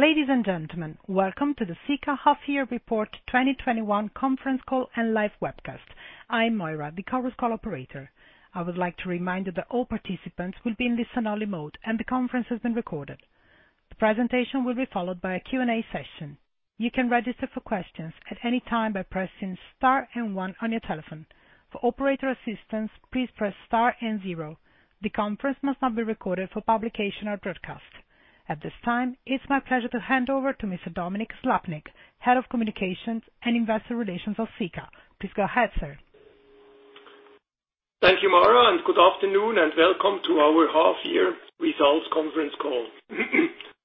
Ladies and gentlemen, welcome to the Sika Half Year Report 2021 conference call and live webcast. I'm Moira, the conference call operator. I would like to remind you that all participants will be in listen-only mode, and the conference has been recorded. The presentation will be followed by a Q&A session. You can register for questions at any time by pressing star and one on your telephone. For operator assistance, please press star and zero. The conference must not be recorded for publication or broadcast. At this time, it's my pleasure to hand over to Mr. Dominik Slappnig, Head of Communications and Investor Relations of Sika. Please go ahead, sir. Thank you, Moira, and good afternoon, and welcome to our half-year results conference call.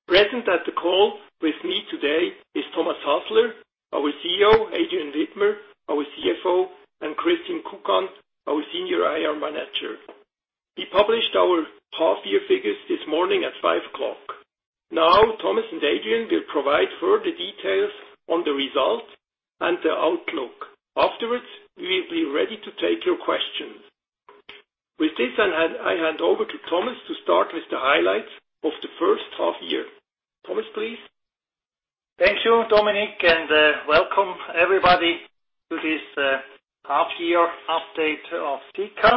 Present at the call with me today is Thomas Hasler, our CEO, Adrian Widmer, our CFO, and Christine Kukan, our Senior IR Manager. We published our half-year figures this morning at 5:00 A.M. Thomas and Adrian will provide further details on the results and the outlook. Afterwards, we will be ready to take your questions. I hand over to Thomas to start with the highlights of the first half-year. Thomas, please. Thank you, Dominik, and welcome everybody to this half-year update of Sika.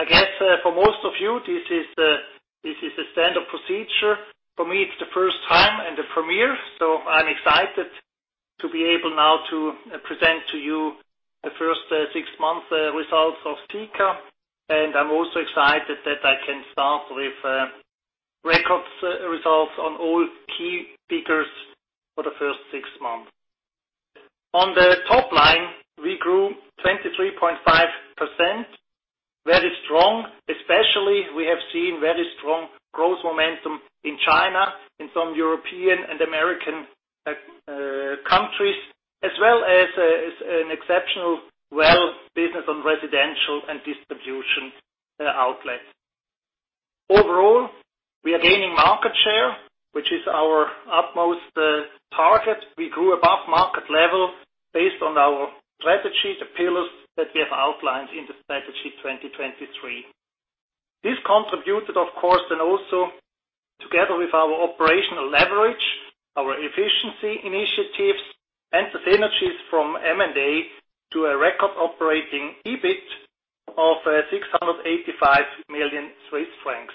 I guess, for most of you, this is a standard procedure. For me, it's the first time and a premiere, so I'm excited to be able now to present to you the first six months results of Sika, and I'm also excited that I can start with record results on all key figures for the first six months. On the top line, we grew 23.5%, very strong. Especially, we have seen very strong growth momentum in China, in some European and American countries, as well as an exceptional well business on residential and distribution outlets. Overall, we are gaining market share, which is our utmost target. We grew above market level based on our strategy, the pillars that we have outlined in the Strategy 2023. This contributed, of course, together with our operational leverage, our efficiency initiatives, and the synergies from M&A to a record operating EBIT of 685 million Swiss francs.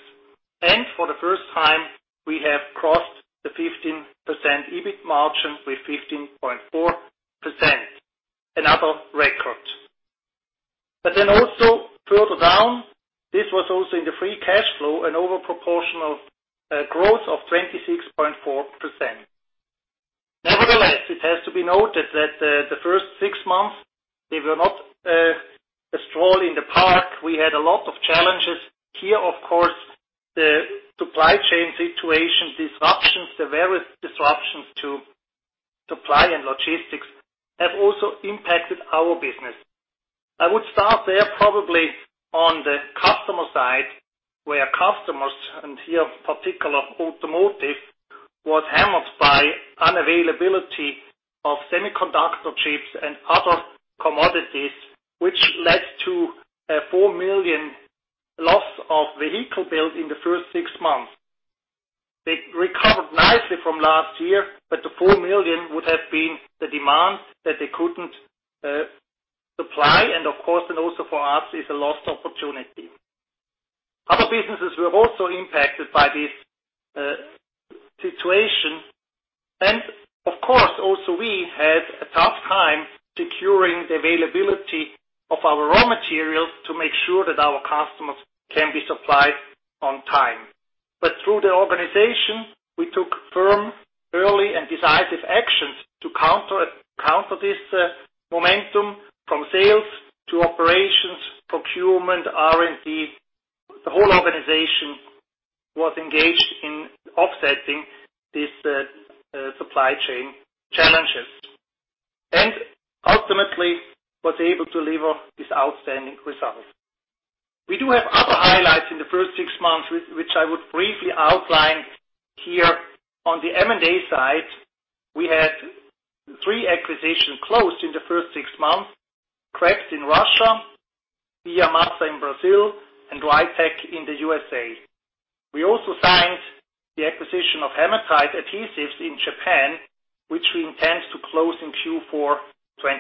For the first time, we have crossed the 15% EBIT margin with 15.4%. Another record. Further down, this was also in the free cash flow, an overproportional growth of 26.4%. Nevertheless, it has to be noted that the first six months, they were not a stroll in the park. We had a lot of challenges. Here, of course, the supply chain situation disruptions, the various disruptions to supply and logistics have also impacted our business. I would start there probably on the customer side, where customers, and here particular automotive, was hammered by unavailability of semiconductor chips and other commodities, which led to a 4 million loss of vehicle build in the first six months. They recovered nicely from last year, the 4 million would have been the demand that they couldn't supply, and, of course, also for us is a lost opportunity. Other businesses were also impacted by this situation. Of course, also we had a tough time securing the availability of our raw materials to make sure that our customers can be supplied on time. Through the organization, we took firm, early, and decisive actions to counter this momentum from sales to operations, procurement, R&D. The whole organization was engaged in offsetting these supply chain challenges, and ultimately was able to deliver this outstanding result. We do have other highlights in the first six months, which I would briefly outline here. On the M&A side, we had three acquisitions closed in the first six months: Kreps in Russia, BR Massa in Brazil, and DriTac in the USA. We also signed the acquisition of Hamatite adhesives in Japan, which we intend to close in Q4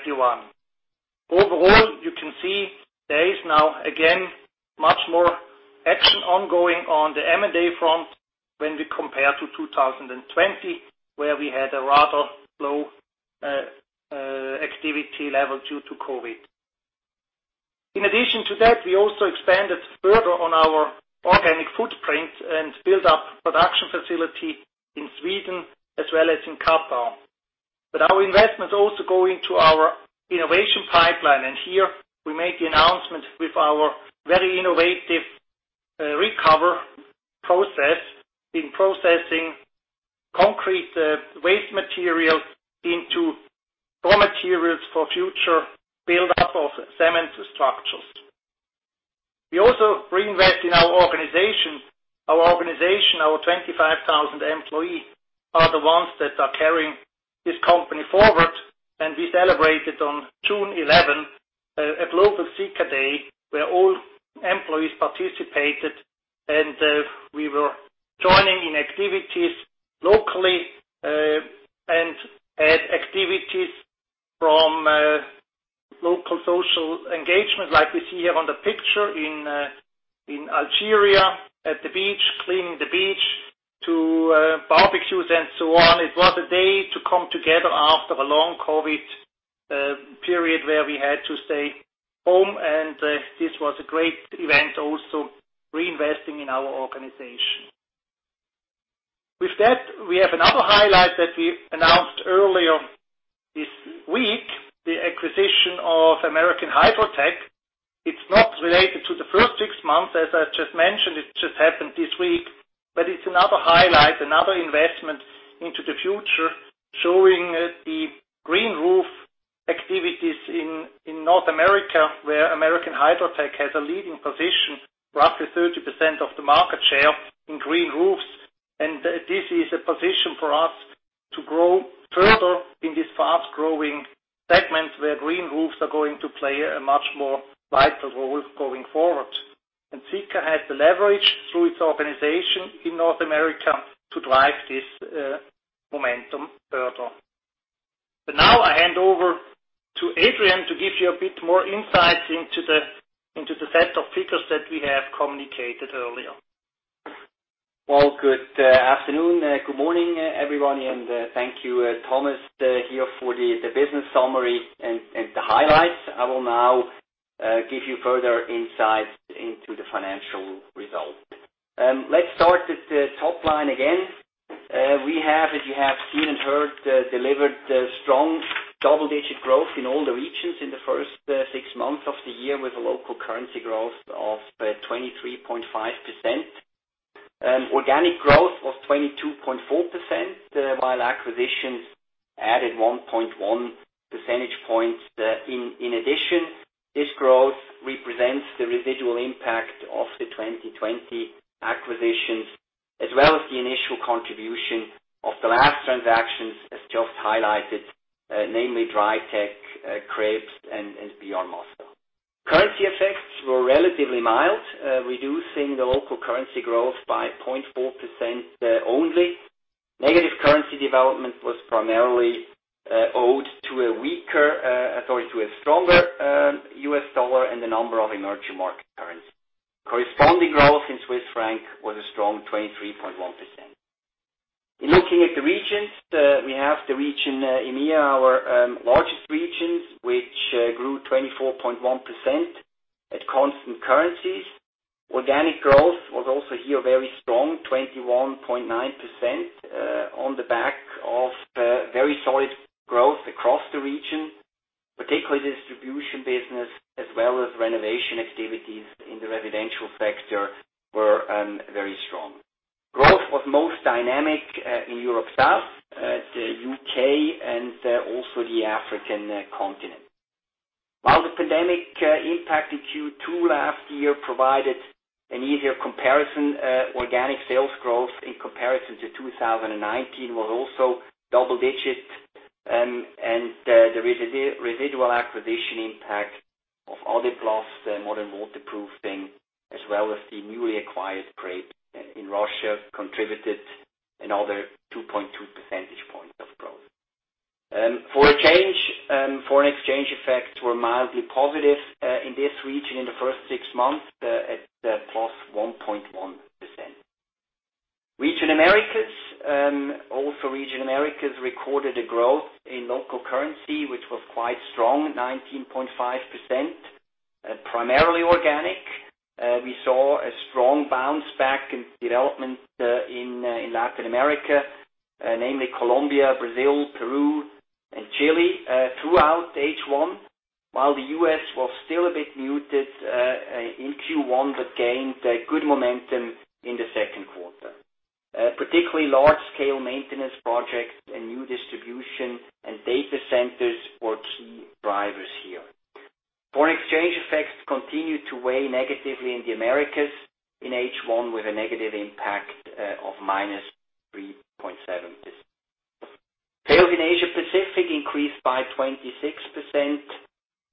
2021. Overall, you can see there is now, again, much more action ongoing on the M&A front when we compare to 2020, where we had a rather low activity level due to COVID. In addition to that, we also expanded further on our organic footprint and built up production facility in Sweden as well as in Qatar. Our investments also go into our innovation pipeline. Here we made the announcement with our very innovative reCO2ver process in processing concrete waste material into raw materials for future buildup of cement structures. We also reinvest in our organization. Our organization, our 25,000 employee are the ones that are carrying this company forward. We celebrated on June 11, a global Sika Day, where all employees participated, and we were joining in activities locally, and at activities from local social engagement, like we see here on the picture in Algeria, at the beach, cleaning the beach, to barbecues and so on. It was a day to come together after a long COVID period where we had to stay home, and this was a great event also reinvesting in our organization. With that, we have another highlight that we announced earlier this week, the acquisition of American Hydrotech. It's not related to the first six months, as I just mentioned. It just happened this week. It's another highlight, another investment into the future, showing the green roof activities in North America, where American Hydrotech has a leading position, roughly 30% of the market share in green roofs. This is a position for us to grow further in this fast-growing segment, where green roofs are going to play a much more vital role going forward. Sika has the leverage through its organization in North America to drive this momentum further. Now I hand over to Adrian to give you a bit more insight into the set of figures that we have communicated earlier. Well, good afternoon. Good morning, everyone. Thank you, Thomas, here for the business summary and the highlights. I will now give you further insight into the financial results. Let's start with the top line again. We have, as you have seen and heard, delivered strong double-digit growth in all the regions in the first six months of the year, with a local currency growth of 23.5%. Organic growth was 22.4%, while acquisitions added 1.1 percentage points. In addition, this growth represents the residual impact of the 2020 acquisitions, as well as the initial contribution of the last transactions, as just highlighted, namely DriTac, Kreps, and BR Massa. Currency effects were relatively mild, reducing the local currency growth by 0.4% only. Negative currency development was primarily owed to a stronger US dollar and the number of emerging market currency. Corresponding growth in Swiss franc was a strong 23.1%. In looking at the regions, we have the region EMEA, our largest region, which grew 24.1% at constant currencies. Organic growth was also here very strong, 21.9%, on the back of very solid growth across the region. Particularly the distribution business as well as renovation activities in the residential sector were very strong. Growth was most dynamic in Europe South, the U.K., and also the African continent. While the pandemic impacted Q2 last year, provided an easier comparison, organic sales growth in comparison to 2019 was also double digits. The residual acquisition impact of Adeplast, Modern Waterproofing, as well as the newly acquired Kreps in Russia, contributed another 2.2 percentage points of growth. Foreign exchange effects were mildly positive in this region in the first six months at plus 1.1%. Region Americas. Region Americas recorded a growth in local currency, which was quite strong, 19.5%, primarily organic. We saw a strong bounce back in development in Latin America, namely Colombia, Brazil, Peru, and Chile, throughout H1, while the U.S. was still a bit muted in Q1 but gained good momentum in the second quarter. Particularly large-scale maintenance projects and new distribution and data centers were key drivers here. Foreign exchange effects continued to weigh negatively in the Americas in H1 with a negative impact of -3.7%. Sales in Asia Pacific increased by 26%,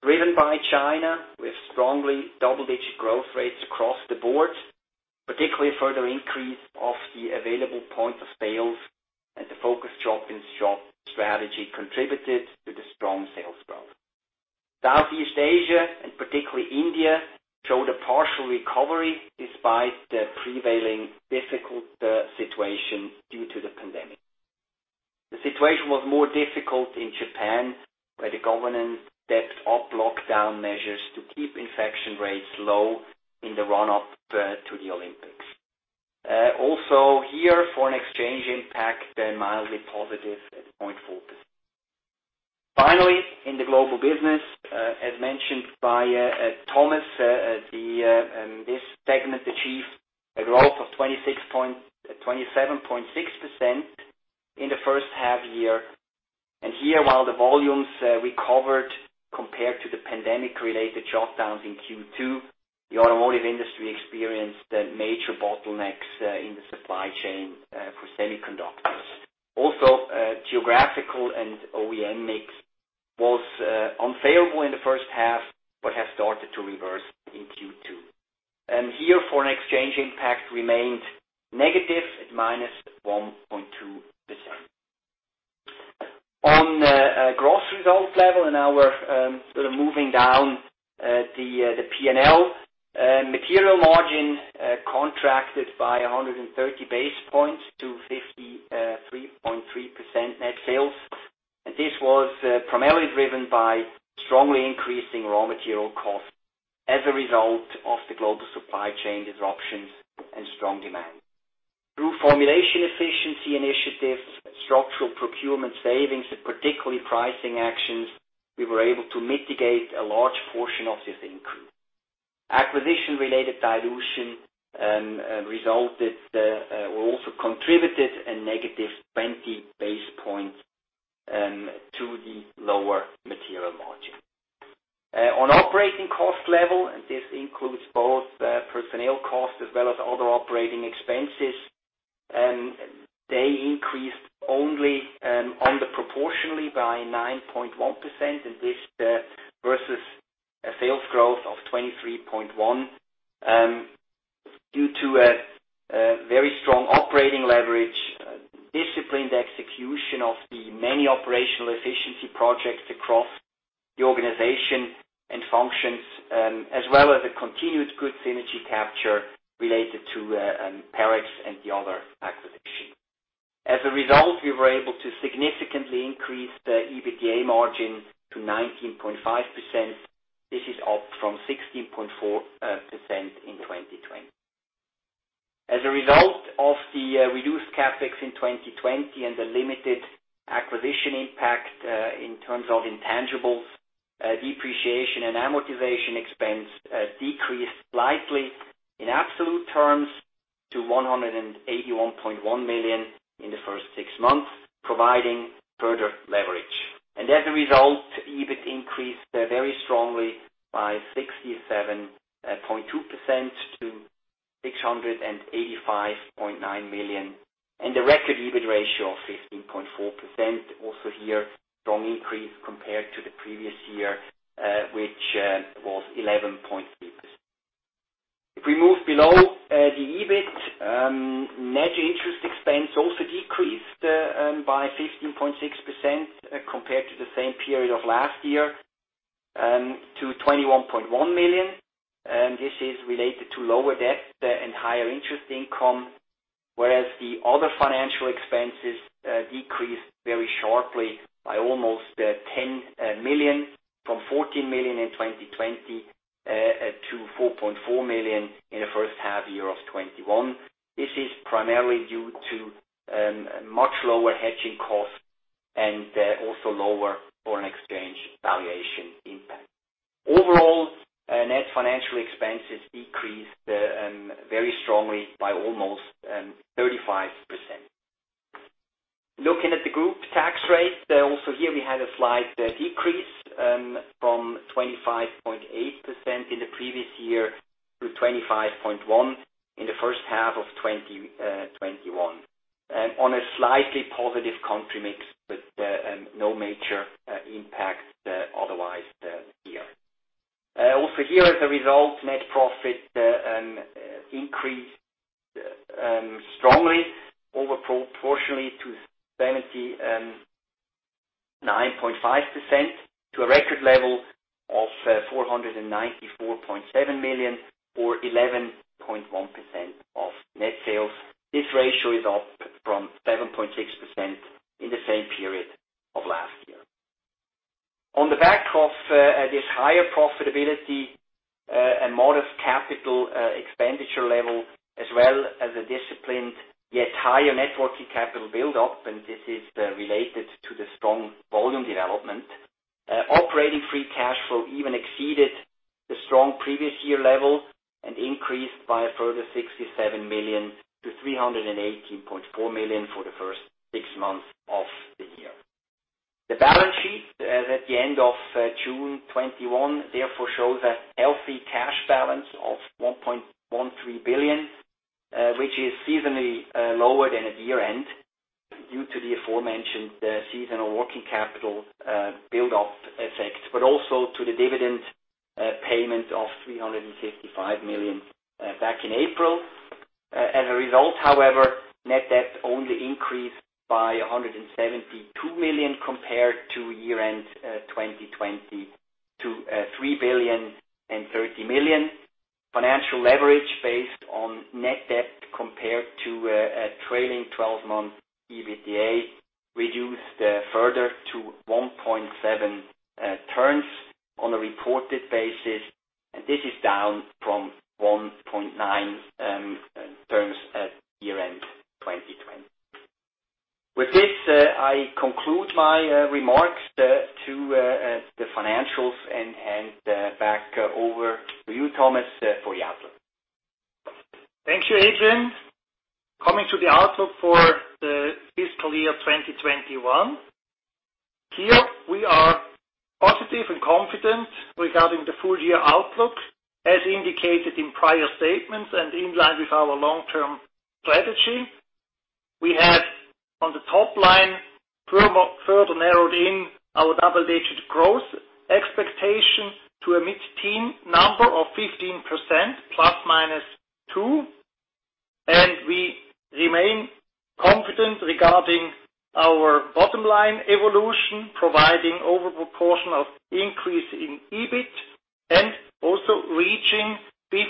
driven by China, with strongly double-digit growth rates across the board, particularly further increase of the available point of sales and the focused shop-in-shop strategy contributed to the strong sales growth. Southeast Asia, and particularly India, showed a partial recovery despite the prevailing difficult situation due to the pandemic. Here, foreign exchange impact, they're mildly positive at 0.4%. In the global business, as mentioned by Thomas, this segment achieved a growth of 27.6% in the first half year. Here, while the volumes recovered compared to the pandemic-related shutdowns in Q2, the automotive industry experienced major bottlenecks in the supply chain for semiconductors. Geographical and OEM mix was unfavorable in the first half, but has started to reverse in Q2. Here, foreign exchange impact remained negative at minus 1.2%. On the gross result level, and now we're sort of moving down the P&L, material margin contracted by 130 basis points to 53.3% net sales. This was primarily driven by strongly increasing raw material costs as a result of the global supply chain disruptions and strong demand. Through formulation efficiency initiatives, structural procurement savings, and particularly pricing actions, we were able to mitigate a large portion of this increase. Acquisition-related dilution also contributed a negative 20 basis points to the lower material margin. On operating cost level, and this includes both personnel costs as well as other operating expenses, they increased only under proportionally by 9.1% versus a sales growth of 23.1%, due to a very strong operating leverage, disciplined execution of the many operational efficiency projects across the organization and functions, as well as a continued good synergy capture related to Parex and the other acquisitions. As a result, we were able to significantly increase the EBITDA margin to 19.5%. This is up from 16.4% in 2020. As a result of the reduced CapEx in 2020 and the limited acquisition impact in terms of intangibles, depreciation and amortization expense decreased slightly in absolute terms to 181.1 million in the first six months, providing further leverage. As a result, EBIT increased very strongly by 67.2% to 685.9 million. A record EBIT ratio of 15.4%. Also here, strong increase compared to the previous year, which was 11.3%. If we move below the EBIT, net interest expense also decreased by 15.6% compared to the same period of last year, to 21.1 million. This is related to lower debt and higher interest income, whereas the other financial expenses decreased very sharply by almost 10 million, from 14 million in 2020 to 4.4 million in the first half year of 2021. This is primarily due to much lower hedging costs and also lower foreign exchange valuation impact. Overall, net financial expenses decreased very strongly by almost 35%. Looking at the group tax rate, we had a slight decrease from 25.8% in the previous year to 25.1% in the first half of 2021, on a slightly positive country mix, but no major impacts otherwise here. As a result, net profit increased strongly, over proportionally to 79.5% to a record level of 494.7 million or 11.1% of net sales. This ratio is up from 7.6% in the same period of last year. On the back of this higher profitability and modest capital expenditure level, as well as a disciplined yet higher net working capital buildup, and this is related to the strong volume development, operating free cash flow even exceeded the strong previous year level and increased by a further 67 million to 318.4 million for the first six months of the year. The balance sheet as at the end of June 2021 shows a healthy cash balance of 1.13 billion, which is seasonally lower than at year-end due to the aforementioned seasonal working capital buildup effect, but also to the dividend payment of 355 million back in April. As a result, however, net debt only increased by 172 million compared to year-end 2020 to 3.03 billion. Financial leverage based on net debt compared to a trailing 12-month EBITDA reduced further to 1.7 turns on a reported basis. This is down from 1.9 turns at year-end 2020. With this, I conclude my remarks to the financials and hand back over to you, Thomas, for the outlook. Thank you, Adrian. Coming to the outlook for the fiscal year 2021. Here, we are positive and confident regarding the full-year outlook, as indicated in prior statements and in line with our long-term strategy. We have, on the top line, further narrowed in our double-digit growth expectation to a mid-teen number of 15%, ±2%. We remain confident regarding our bottom line evolution, providing over proportion of increase in EBIT, and also reaching 15%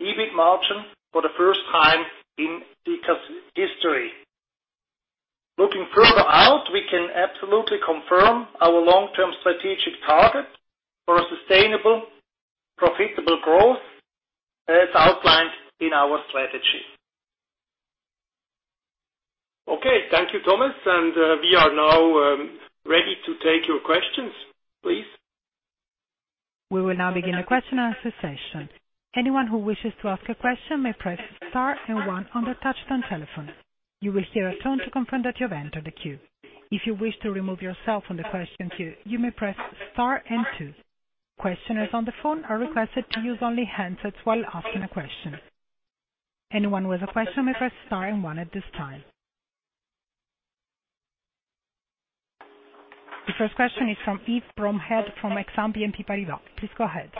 EBIT margin for the first time in Sika's history. Looking further out, we can absolutely confirm our long-term strategic target for a sustainable, profitable growth as outlined in our strategy. Okay. Thank you, Thomas. We are now ready to take your questions. Please. We will now begin the question and answer session. Anyone who wishes to ask a question may press star and one on their touchtone telephone. You will hear a tone to confirm that you have entered the queue. If you wish to remove yourself from the question queue, you may press star and two. Questioners on the phone are requested to use only handsets while asking a question. Anyone with a question may press star and one at this time. The first question is from Yves Bromehead from Exane BNP Paribas. Please go ahead.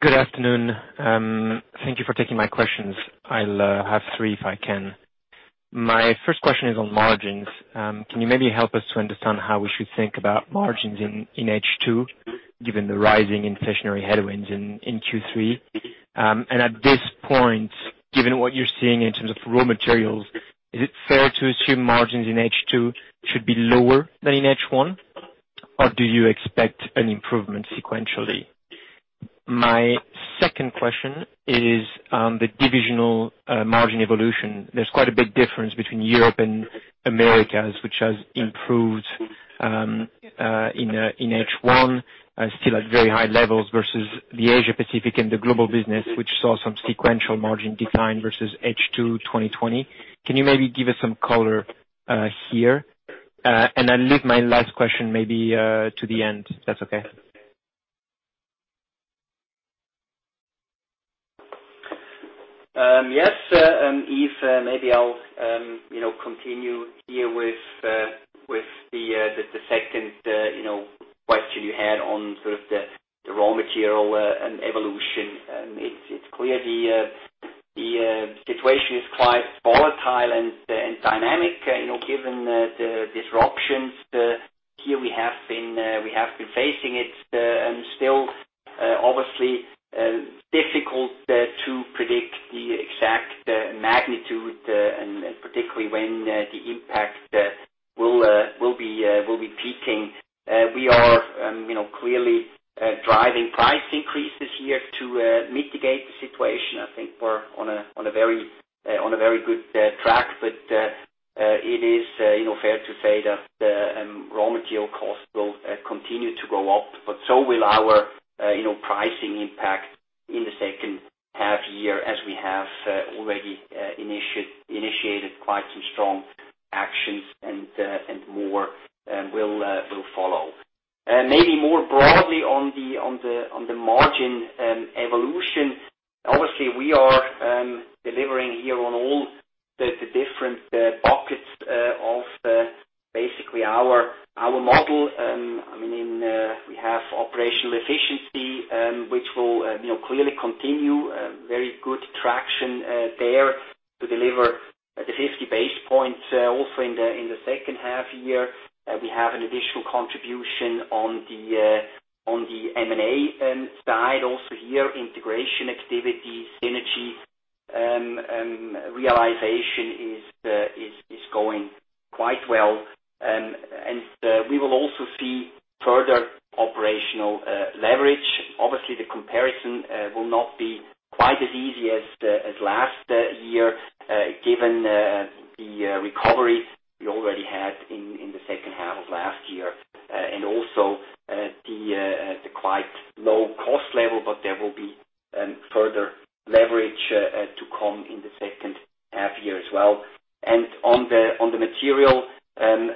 Good afternoon. Thank you for taking my questions. I'll have three if I can. My first question is on margins. Can you maybe help us to understand how we should think about margins in H2, given the rising inflationary headwinds in Q3? At this point, given what you're seeing in terms of raw materials, is it fair to assume margins in H2 should be lower than in H1? Do you expect an improvement sequentially? My second question is on the divisional margin evolution. There's quite a big difference between Europe and Americas, which has improved in H1, still at very high levels versus the Asia-Pacific and the global business, which saw some sequential margin decline versus H2 2020. Can you maybe give us some color here? I'll leave my last question maybe to the end, if that's okay. Yes, Yves. Maybe I'll continue here with the second question you had on sort of the raw material and evolution. It's clear the situation is quite volatile and dynamic, given the disruptions here we have been facing. It's still obviously difficult to predict the exact magnitude and particularly when the impact will be peaking. We are clearly driving price increases here to mitigate the situation. I think we're on a very good track, but it is fair to say that the raw material cost will continue to go up, but so will our pricing impact in the second half year, as we have already initiated quite some strong actions and more will follow. Maybe more broadly on the margin evolution, obviously we are delivering here on all the different buckets of basically our model. We have operational efficiency, which will clearly continue very good traction there to deliver the 50 basis points. In the second half year, we have an additional contribution on the M&A side. Here, integration activities, synergy realization is going quite well. We will also see further operational leverage. Obviously, the comparison will not be quite as easy as last year, given the recovery we already had in the second half of last year and also the quite low cost level. There will be further leverage to come in the second half year as well. On the material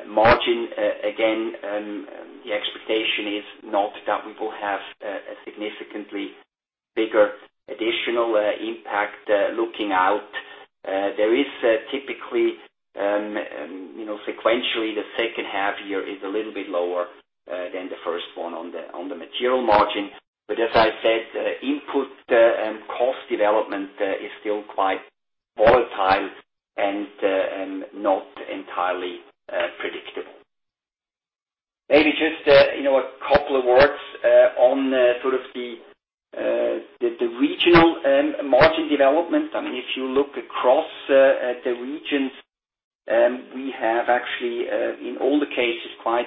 margin, again, the expectation is not that we will have a significantly bigger additional impact looking out. There is typically, sequentially, the second half year is a little bit lower than the first one on the material margin. As I said, input cost development is still quite volatile and not entirely predictable. Maybe just a couple of words on sort of the regional margin development. If you look across the regions, we have actually in all the cases, quite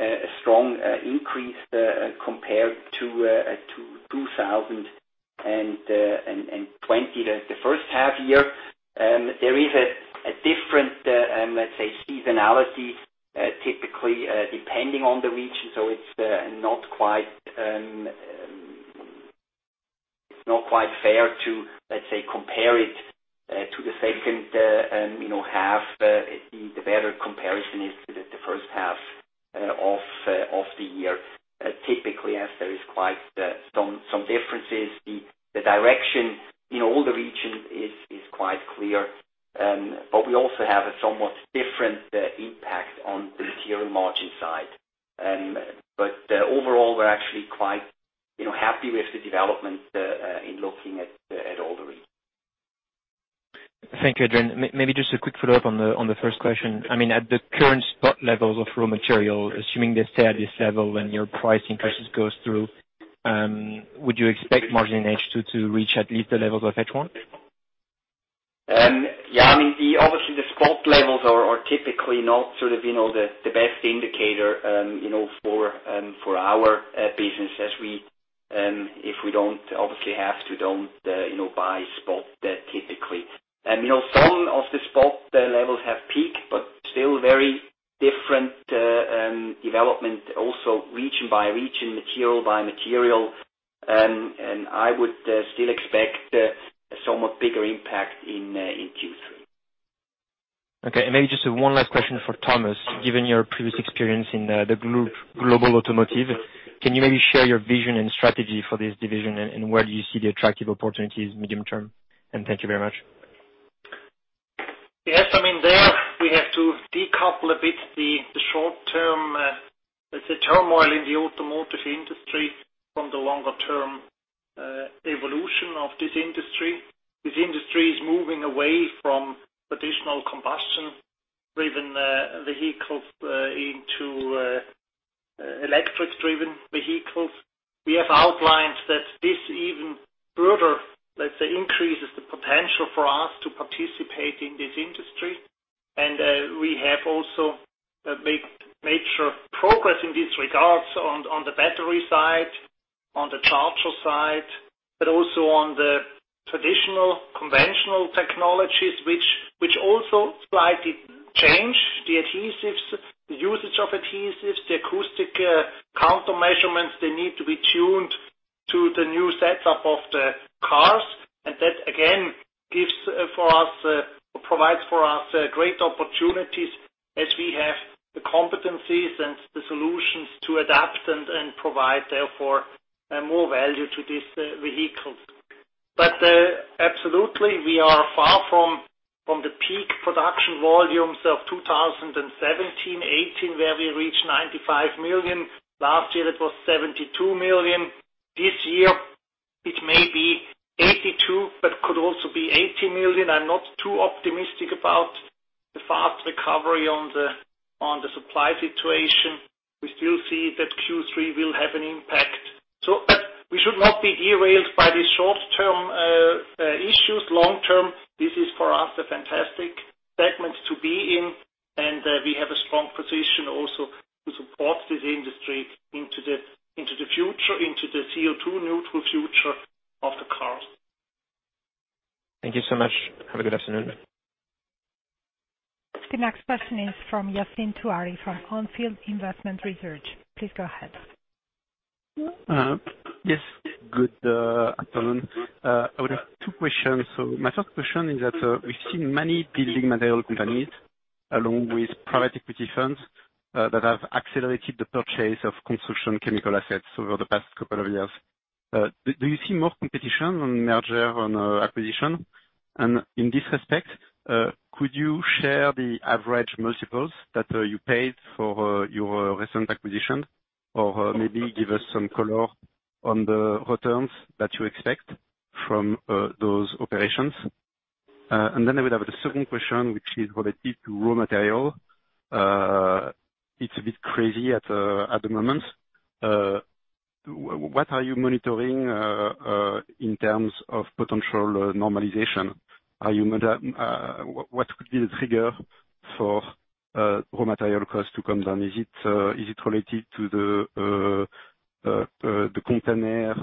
a strong increase compared to 2020, the first half year. There is a different, let's say, seasonality typically, depending on the region, so it's not quite fair to, let's say, compare it to the second half. The better comparison is to the first half of the year. Typically, as there is quite some differences. The direction in all the regions is quite clear, but we also have a somewhat different impact on the material margin side. Overall, we're actually quite happy with the development in looking at all the regions. Thank you, Adrian. Maybe just a quick follow-up on the first question. At the current spot levels of raw material, assuming they stay at this level when your price increase goes through, would you expect margin H2 to reach at least the levels of H1? Yeah. Obviously, the spot levels are typically not the best indicator for our business as if we don't buy spot that typically. Some of the spot levels have peaked, but still very different development also region by region, material by material. I would still expect somewhat bigger impact in Q3. Okay. Maybe just one last question for Thomas. Given your previous experience in the group Global Automotive, can you maybe share your vision and strategy for this division and where do you see the attractive opportunities medium-term? Thank you very much. Yes. There we have to decouple a bit the short term, let's say, turmoil in the automotive industry from the longer term evolution of this industry. This industry is moving away from traditional combustion-driven vehicles into electric-driven vehicles. We have outlined that this even further, let's say, increases the potential for us to participate in this industry. We have also made major progress in these regards on the battery side, on the charger side, but also on the traditional, conventional technologies, which also slightly change the adhesives, the usage of adhesives, the acoustic counter measurements, they need to be tuned to the new setup of the cars. That, again, provides for us great opportunities as we have the competencies and the solutions to adapt and provide, therefore, more value to these vehicles. Absolutely, we are far from the peak production volumes of 2017, 2018, where we reached 95 million. Last year, it was 72 million. This year, it may be 82 million, could also be 80 million. I'm not too optimistic about the fast recovery on the supply situation. We still see that Q3 will have an impact. We should not be derailed by these short-term issues. Long term, this is, for us, a fantastic segment to be in, and we have a strong position also to support this industry into the future, into the CO2 neutral future of the cars. Thank you so much. Have a good afternoon. The next question is from Yassine Touahri of On Field Investment Research. Please go ahead. Yes, good afternoon. I would have two questions. My first question is that we've seen many building material companies, along with private equity firms, that have accelerated the purchase of construction chemical assets over the past two years. Do you see more competition on merger, on acquisition? In this respect, could you share the average multiples that you paid for your recent acquisition? Maybe give us some color on the returns that you expect from those operations. I would have the second question, which is related to raw material. It's a bit crazy at the moment. What are you monitoring in terms of potential normalization? What could be the trigger for raw material costs to come down? Is it related to the container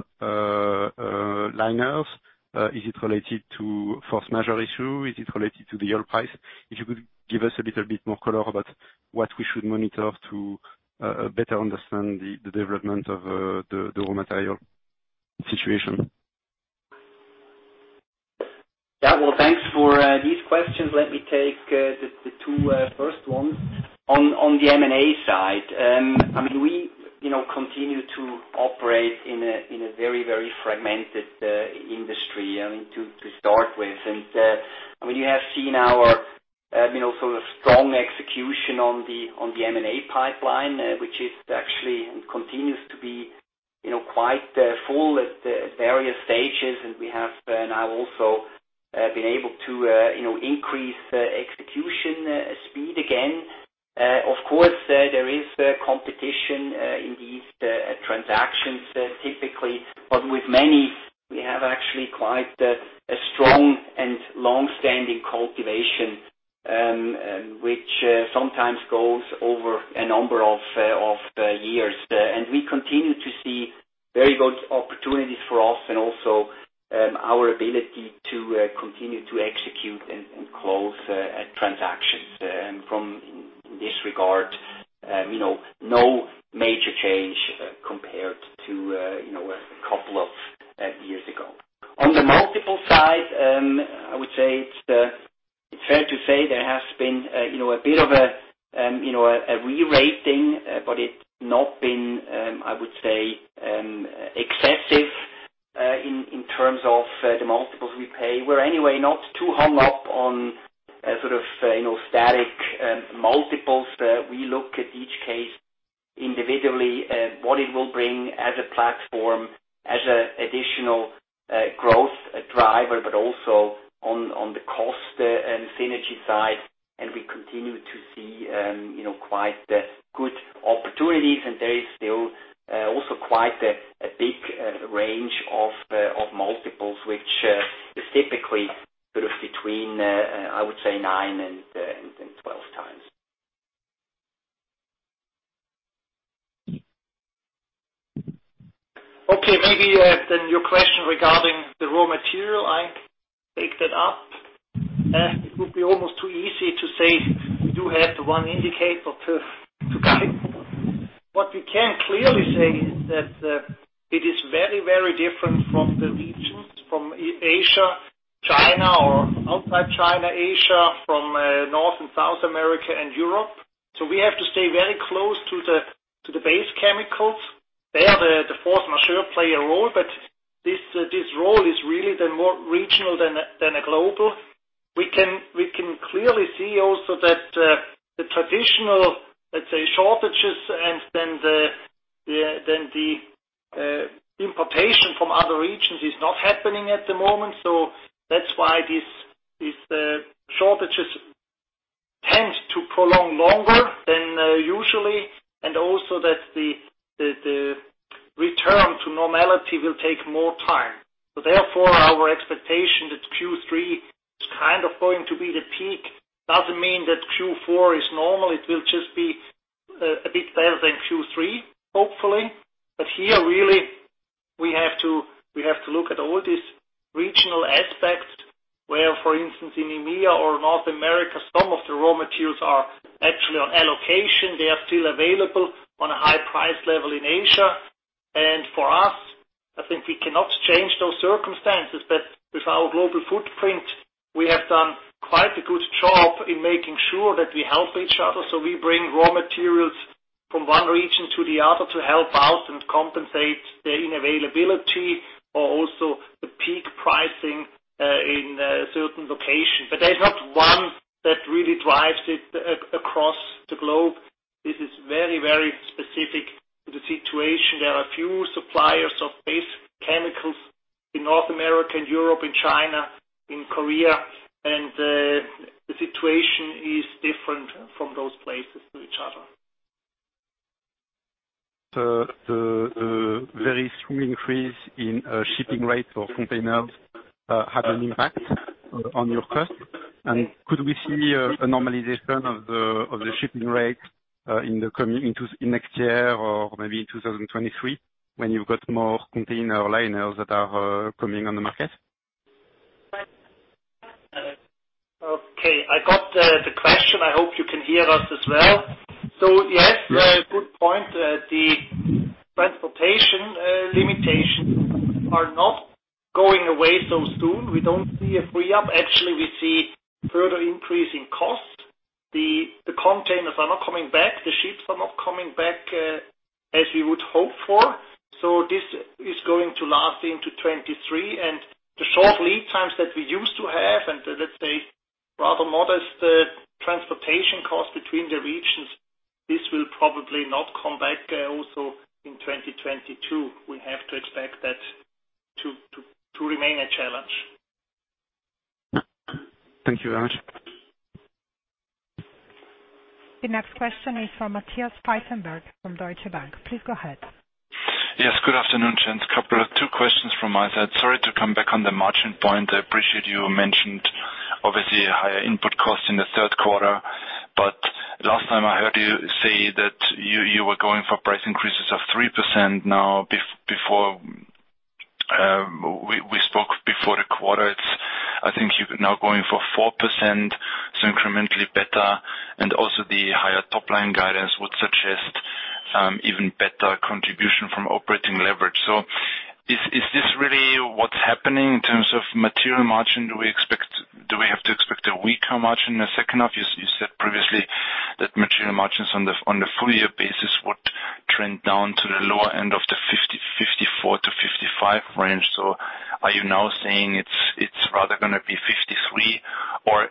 liners? Is it related to force majeure issue? Is it related to the oil price? If you could give us a little bit more color about what we should monitor to better understand the development of the raw material situation. Yeah. Well, thanks for these questions. Let me take the two first ones. On the M&A side, we continue to operate in a very, very fragmented industry, to start with. You have seen our sort of strong execution on the M&A pipeline, which is actually, and continues to be, quite full at various stages. We have now also been able to increase execution speed again. Of course, there is competition in these transactions, typically. With many, we have actually quite a strong and longstanding cultivation, which sometimes goes over a number of years. We continue to see very good opportunities for us and also our ability to continue to execute and close transactions. From this regard, no major change compared to a couple of years ago. On the multiple side, I would say it's fair to say there has been a bit of a re-rating, but it's not been, I would say, excessive in terms of the multiples we pay. We're anyway not too hung up on sort of static multiples. We look at each case individually, what it will bring as a platform, as an additional growth driver, but also on the cost and synergy side. We continue to see quite good opportunities, and there is still also quite a big range of multiples, which is typically sort of between, I would say, 9x-12x. Maybe your question regarding the raw material, I take that up. It would be almost too easy to say we do have one indicator to guide. What we can clearly say is that it is very, very different from the regions, from Asia, China or outside China, Asia, from North and South America and Europe. We have to stay very close to the base chemicals. There, the force majeure play a role, but this role is really the more regional than a global. We can clearly see also that the traditional, let's say, shortages and then the importation from other regions is not happening at the moment. That's why these shortages tend to prolong longer than usually, and also that the return to normality will take more time. Therefore, our expectation that Q3 is kind of going to be the peak doesn't mean that Q4 is normal. It will just be a bit better than Q3, hopefully. Here really, we have to look at all these regional aspects, where, for instance, in EMEA or North America, some of the raw materials are actually on allocation. They are still available on a high price level in Asia. For us, I think we cannot change those circumstances. With our global footprint, we have done quite a good job in making sure that we help each other. We bring raw materials from one region to the other to help out and compensate the inavailability or also the peak pricing in certain locations. There's not one that really drives it across the globe. This is very, very specific to the situation. There are a few suppliers of base chemicals in North America and Europe, in China, in Korea, and the situation is different from those places to each other. The very strong increase in shipping rates or containers had an impact on your cost? Could we see a normalization of the shipping rates in next year or maybe in 2023 when you've got more container liners that are coming on the market? Okay. I got the question. I hope you can hear us as well. Yes, good point. The transportation limitations are not going away so soon. We don't see a free-up. Actually, we see further increase in cost. The containers are not coming back. The ships are not coming back as we would hope for. This is going to last into 2023. The short lead times that we used to have, and let's say rather modest transportation cost between the regions, this will probably not come back also in 2022. We have to expect that to remain a challenge. Thank you very much. The next question is from Matthias Pfeifenberger from Deutsche Bank. Please go ahead. Yes, good afternoon, gents. Couple of two questions from my side. Sorry to come back on the margin point. I appreciate you mentioned obviously a higher input cost in the third quarter, but last time I heard you say that you were going for price increases of 3%. Now, we spoke before the quarter. I think you're now going for 4%, so incrementally better, and also the higher top-line guidance would suggest even better contribution from operating leverage. Is this really what's happening in terms of material margin? Do we have to expect a weaker margin in the second half? You said previously that material margins on the full year basis would trend down to the lower end of the 54%-55% range. Are you now saying it's rather going to be 53%?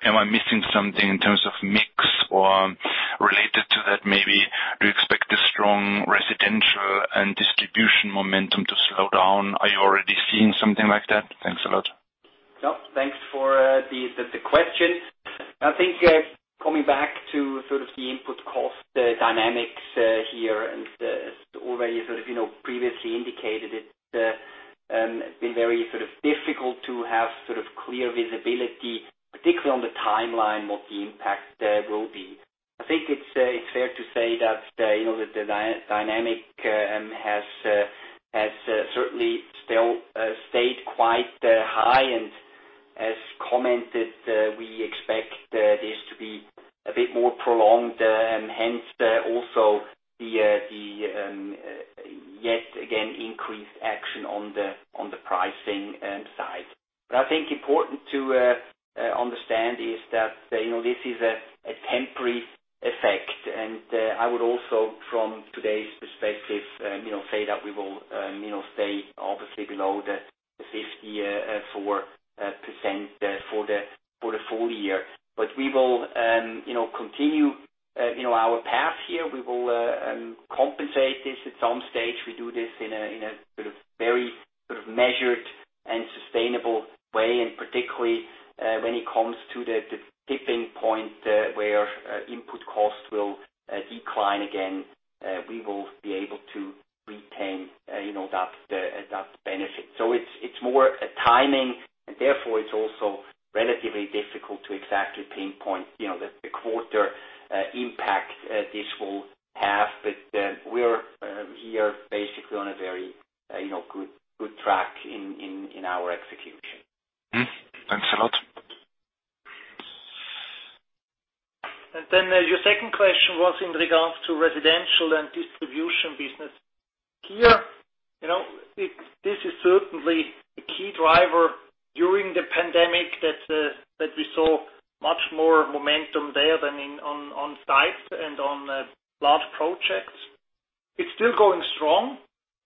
Am I missing something in terms of mix or related to that, maybe do you expect the strong residential and distribution momentum to slow down? Are you already seeing something like that? Thanks a lot. Yeah. Thanks for the question. I think coming back to the input cost dynamics here as already previously indicated, it's been very difficult to have clear visibility, particularly on the timeline, what the impact will be. I think it's fair to say that the dynamic has certainly still stayed quite high as commented, we expect this to be a bit more prolonged, hence also the yet again increased action on the pricing side. I think important to understand is that this is a temporary effect, I would also, from today's perspective say that we will stay obviously below the 54% for the full year. We will continue our path here. We will compensate this at some stage. We do this in a very measured and sustainable way, and particularly when it comes to the tipping point where input costs will decline again, we will be able to retain that benefit. It's more a timing and therefore it's also relatively difficult to exactly pinpoint the quarter impact this will have. We're here basically on a very good track in our execution. Thanks a lot. Your second question was in regards to residential and distribution business. Here, this is certainly a key driver during the pandemic that we saw much more momentum there than on sites and on large projects. It's still going strong,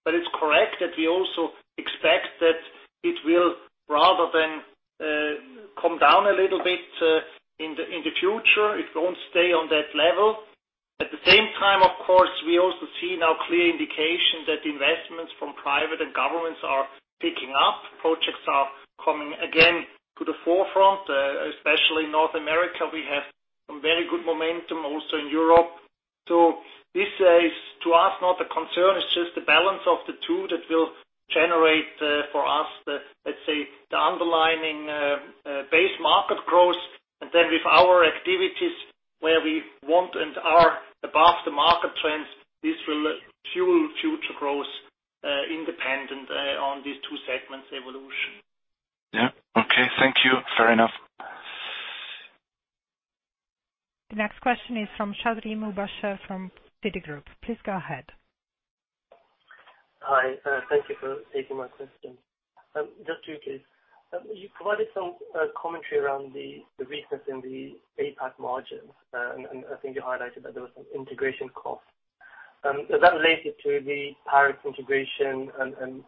but it's correct that we also expect that it will rather than come down a little bit in the future, it won't stay on that level. At the same time, of course, we also see now clear indication that investments from private and governments are picking up. Projects are coming again to the forefront, especially North America. We have very good momentum also in Europe. This is, to us, not a concern, it's just the balance of the two that will generate for us the, let's say, the underlying base market growth. With our activities where we want and are above the market trends, this will fuel future growth, independent on these two segments' evolution. Yeah. Okay. Thank you. Fair enough. The next question is from Shardul Mubasha from Citigroup. Please go ahead. Hi. Thank you for taking my question. Just two, please. You provided some commentary around the weakness in the APAC margins, and I think you highlighted that there was some integration cost. Is that related to the Parex Integration and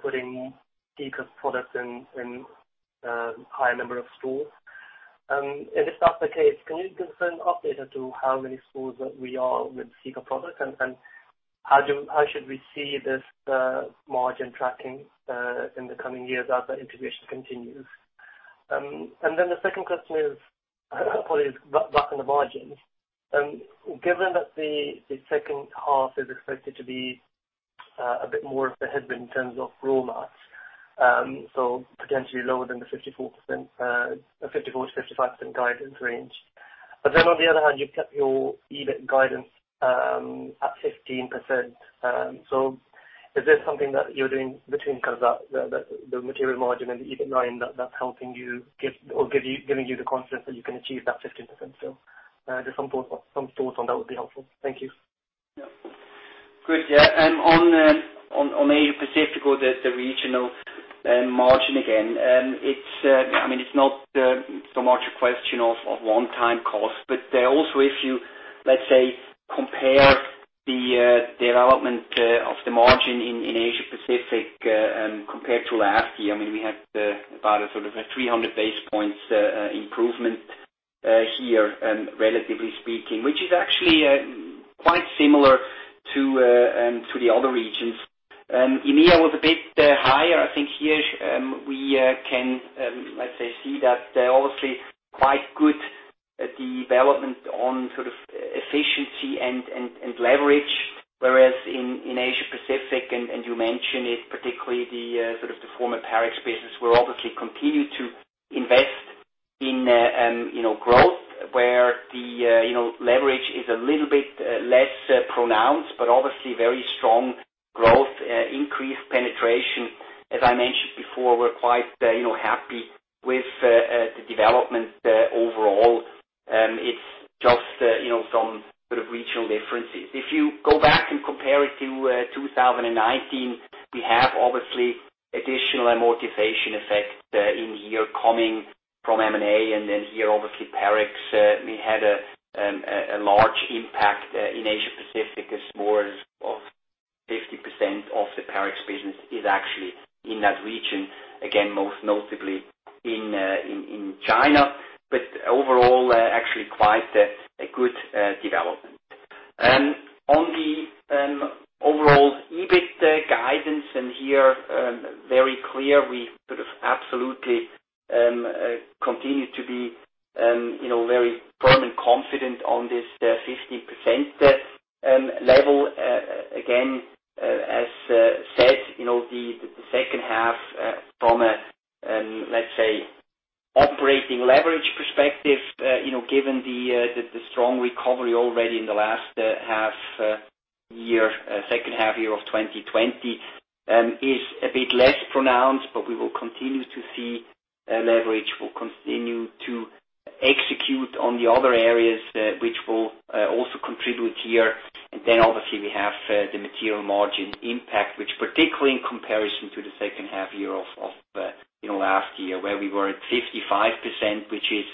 putting Sika's products in higher number of stores? If that's the case, can you give us an update as to how many stores that we are with Sika products and how should we see this margin tracking in the coming years as the integration continues? The second question is, probably is back on the margins. Given that the second half is expected to be a bit more of a headwind in terms of raw mats, so potentially lower than the 54%-55% guidance range. On the other hand, you've kept your EBIT guidance at 15%. Is this something that you're doing between the material margin and the EBIT line that's helping you or giving you the confidence that you can achieve that 15%? Just some thoughts on that would be helpful. Thank you. Yeah. Good. Yeah. On Asia-Pacific or the regional margin again. It's not so much a question of one-time cost, but also if you, let's say, compare the development of the margin in Asia-Pacific compared to last year, we had about a sort of a 300 basis points improvement here, relatively speaking. Which is actually quite similar to the other regions. EMEA was a bit higher. I think here we can, let's say, see that obviously quite good development on efficiency and leverage. Whereas in Asia-Pacific, and you mentioned it, particularly the former Parex business, we obviously continue to invest in growth where the leverage is a little bit less pronounced, but obviously very strong growth, increased penetration. As I mentioned before, we're quite happy with the development overall. It's just some sort of regional differences. If you go back and compare it to 2019, we have obviously additional amortization effect in here coming from M&A, then here, obviously Parex, we had a large impact in Asia-Pacific as more of 50% of the Parex business is actually in that region, again, most notably in China. Overall, actually quite a good development. On the overall EBIT guidance, and here very clear, we absolutely continue to be very firm and confident on this 15% level. Again, as said, the second half from a, let's say, operating leverage perspective, given the strong recovery already in the last second half-year of 2020 is a bit less pronounced, but we will continue to see leverage. We'll continue to execute on the other areas, which will also contribute here. Obviously we have the material margin impact, which particularly in comparison to the second half year of last year, where we were at 55%, which is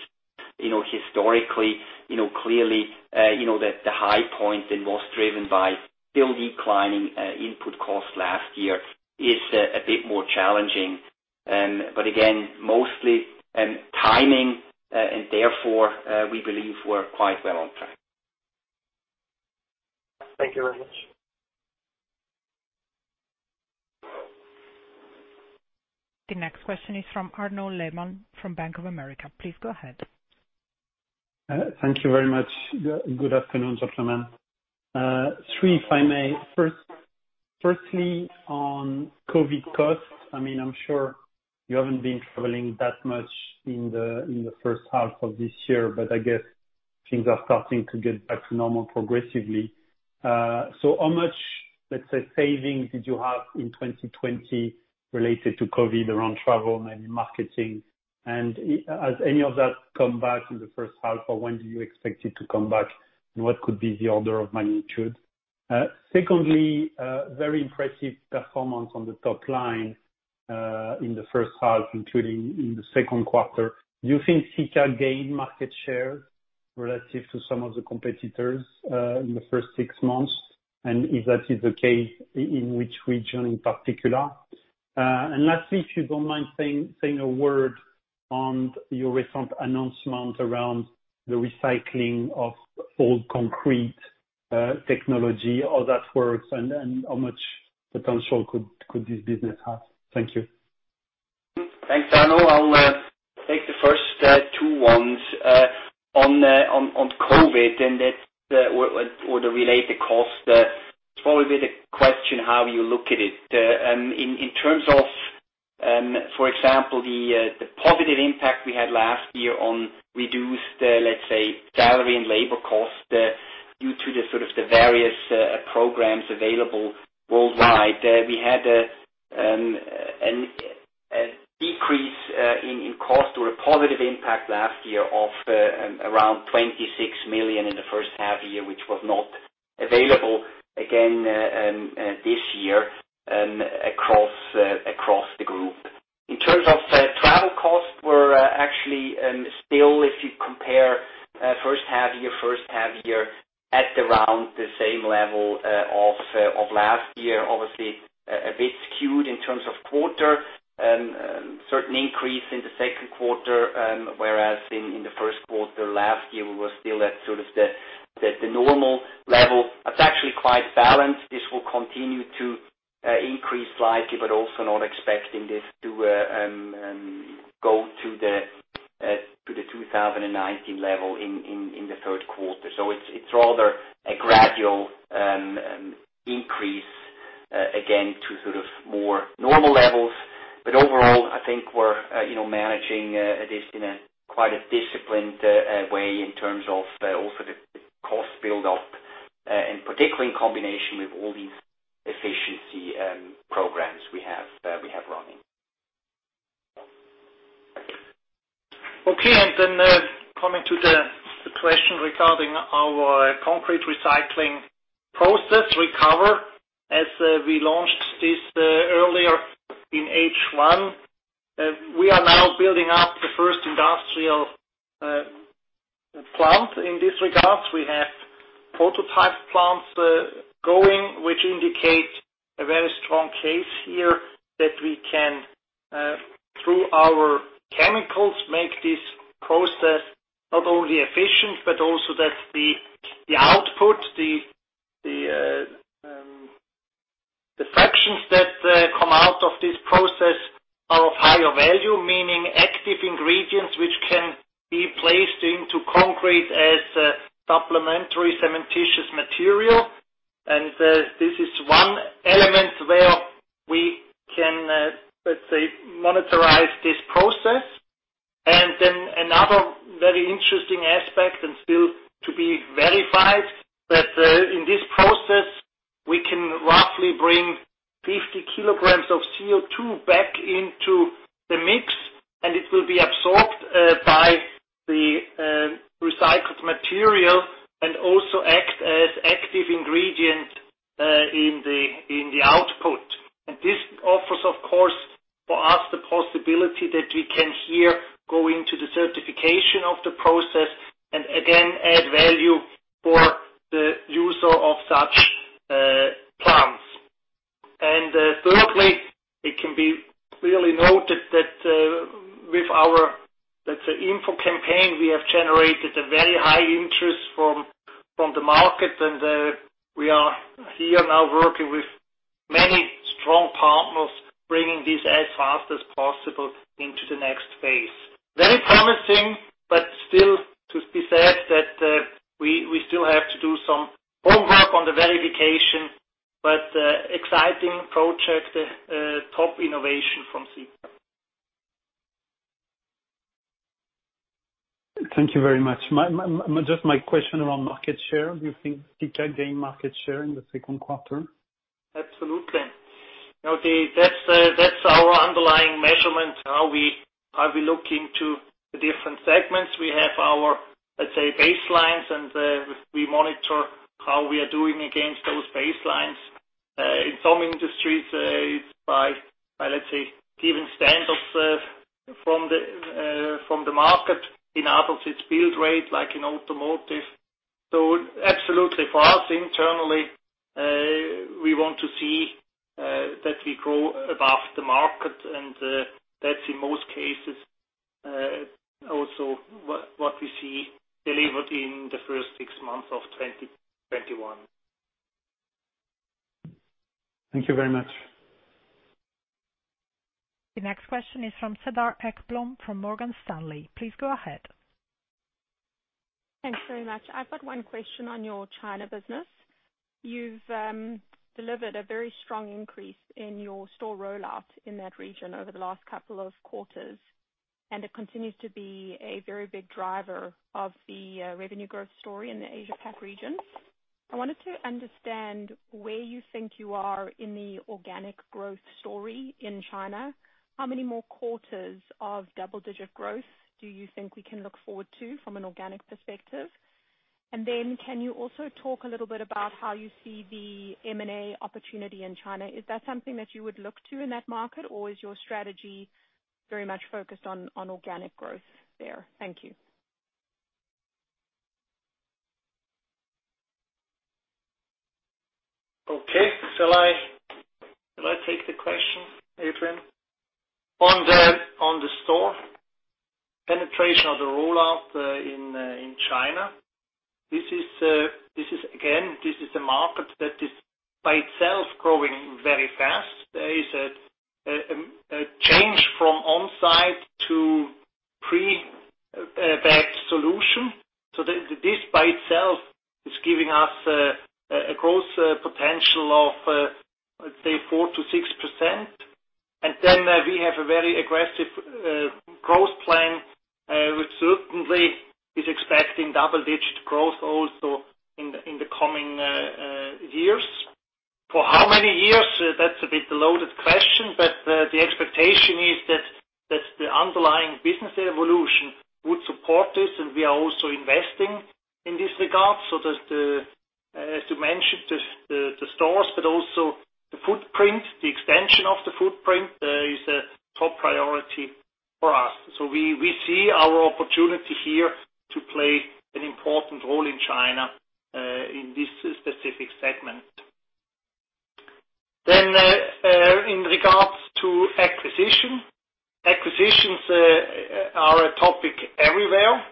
historically clearly the high point and was driven by still declining input costs last year, is a bit more challenging. Again, mostly timing, and therefore, we believe we're quite well on track. Thank you very much. The next question is from Arnaud Lehmann from Bank of America. Please go ahead. Thank you very much. Good afternoon, gentlemen. Three, if I may. First, firstly on COVID costs. I'm sure you haven't been traveling that much in the first half of this year, but I guess things are starting to get back to normal progressively. How much, let's say, savings did you have in 2020 related to COVID around travel, maybe marketing? Has any of that come back in the first half, or when do you expect it to come back? What could be the order of magnitude? Secondly, very impressive performance on the top line, in the first half, including in the second quarter. Do you think Sika gained market share relative to some of the competitors, in the first six months? If that is the case, in which region in particular? Lastly, if you don't mind saying a word on your recent announcement around the recycling of old concrete technology, how that works and how much potential could this business have? Thank you. Thanks, Arnaud. I'll take the first two ones. On COVID and the related cost, it's probably the question how you look at it. In terms of, for example, the positive impact we had last year on reduced, let's say, salary and labor cost due to the various programs available worldwide. We had a decrease in cost or a positive impact last year of around 26 million in the first half year, which was not available again this year across the group. In terms of travel costs, were actually still, if you compare first half year at around the same level of last year. Obviously, a bit skewed in terms of quarter. Certain increase in the second quarter, whereas in the first quarter last year, we were still at the normal level. It's actually quite balanced. This will continue to increase slightly, but also not expecting this to go to the 2019 level in the third quarter. It's rather a gradual increase again to more normal levels. Overall, I think we're managing this in a quite a disciplined way in terms of also the cost build-up, and particularly in combination with all these efficiency programs we have running. Okay. Coming to the question regarding our concrete recycling process reCO2ver, as we launched this earlier in H1. We are now building up the first industrial plant in this regard. We have prototype plants going, which indicate a very strong case here that we can, through our chemicals, make this process not only efficient but also that the output, the fractions that come out of this process are of higher value, meaning active ingredients which can be placed into concrete as supplementary cementitious material. This is one element where we can, let's say, monetarize this process. Another very interesting aspect and still to be verified, that in this process, we can roughly bring 50 kg of CO2 back into the mix, and it will be absorbed by the recycled material and also act as active ingredient in the output. This offers, of course, for us the possibility that we can here go into the certification of the process and again add value for the user of such cements. We have generated a very high interest from the market and we are here now working with many strong partners, bringing this as fast as possible into the next phase. Very promising. Still to be said that we still have to do some homework on the verification. Exciting project, top innovation from Sika. Thank you very much. Just my question around market share. Do you think Sika gained market share in the second quarter? Absolutely. That's our underlying measurement, how we look into the different segments. We have our, let's say, baselines and we monitor how we are doing against those baselines. In some industries, by, let's say, given standards from the market. In others, it's build rate, like in automotive. Absolutely. For us internally, we want to see that we grow above the market and, that's in most cases, also what we see delivered in the first six months of 2021. Thank you very much. The next question is from Cedar Ekblom from Morgan Stanley. Please go ahead. Thanks very much. I've got one question on your China business. You've delivered a very strong increase in your store rollout in that region over the last couple of quarters, and it continues to be a very big driver of the revenue growth story in the Asia Pacific region. I wanted to understand where you think you are in the organic growth story in China. How many more quarters of double-digit growth do you think we can look forward to from an organic perspective? Can you also talk a little bit about how you see the M&A opportunity in China? Is that something that you would look to in that market, or is your strategy very much focused on organic growth there? Thank you. Okay. Shall I take the question, Adrian? On the store penetration or the rollout in China, again, this is a market that is by itself growing very fast. There is a change from on-site to pre-packed solution. This by itself is giving us a growth potential of, let's say, 4%-6%. We have a very aggressive growth plan, which certainly is expecting double-digit growth also in the coming years. For how many years? That's a bit loaded question, but the expectation is that the underlying business evolution would support this, and we are also investing in this regard so that, as you mentioned, the stores, but also the footprint. The extension of the footprint is a top priority for us. We see our opportunity here to play an important role in China, in this specific segment. In regards to acquisition. Acquisitions are a topic everywhere.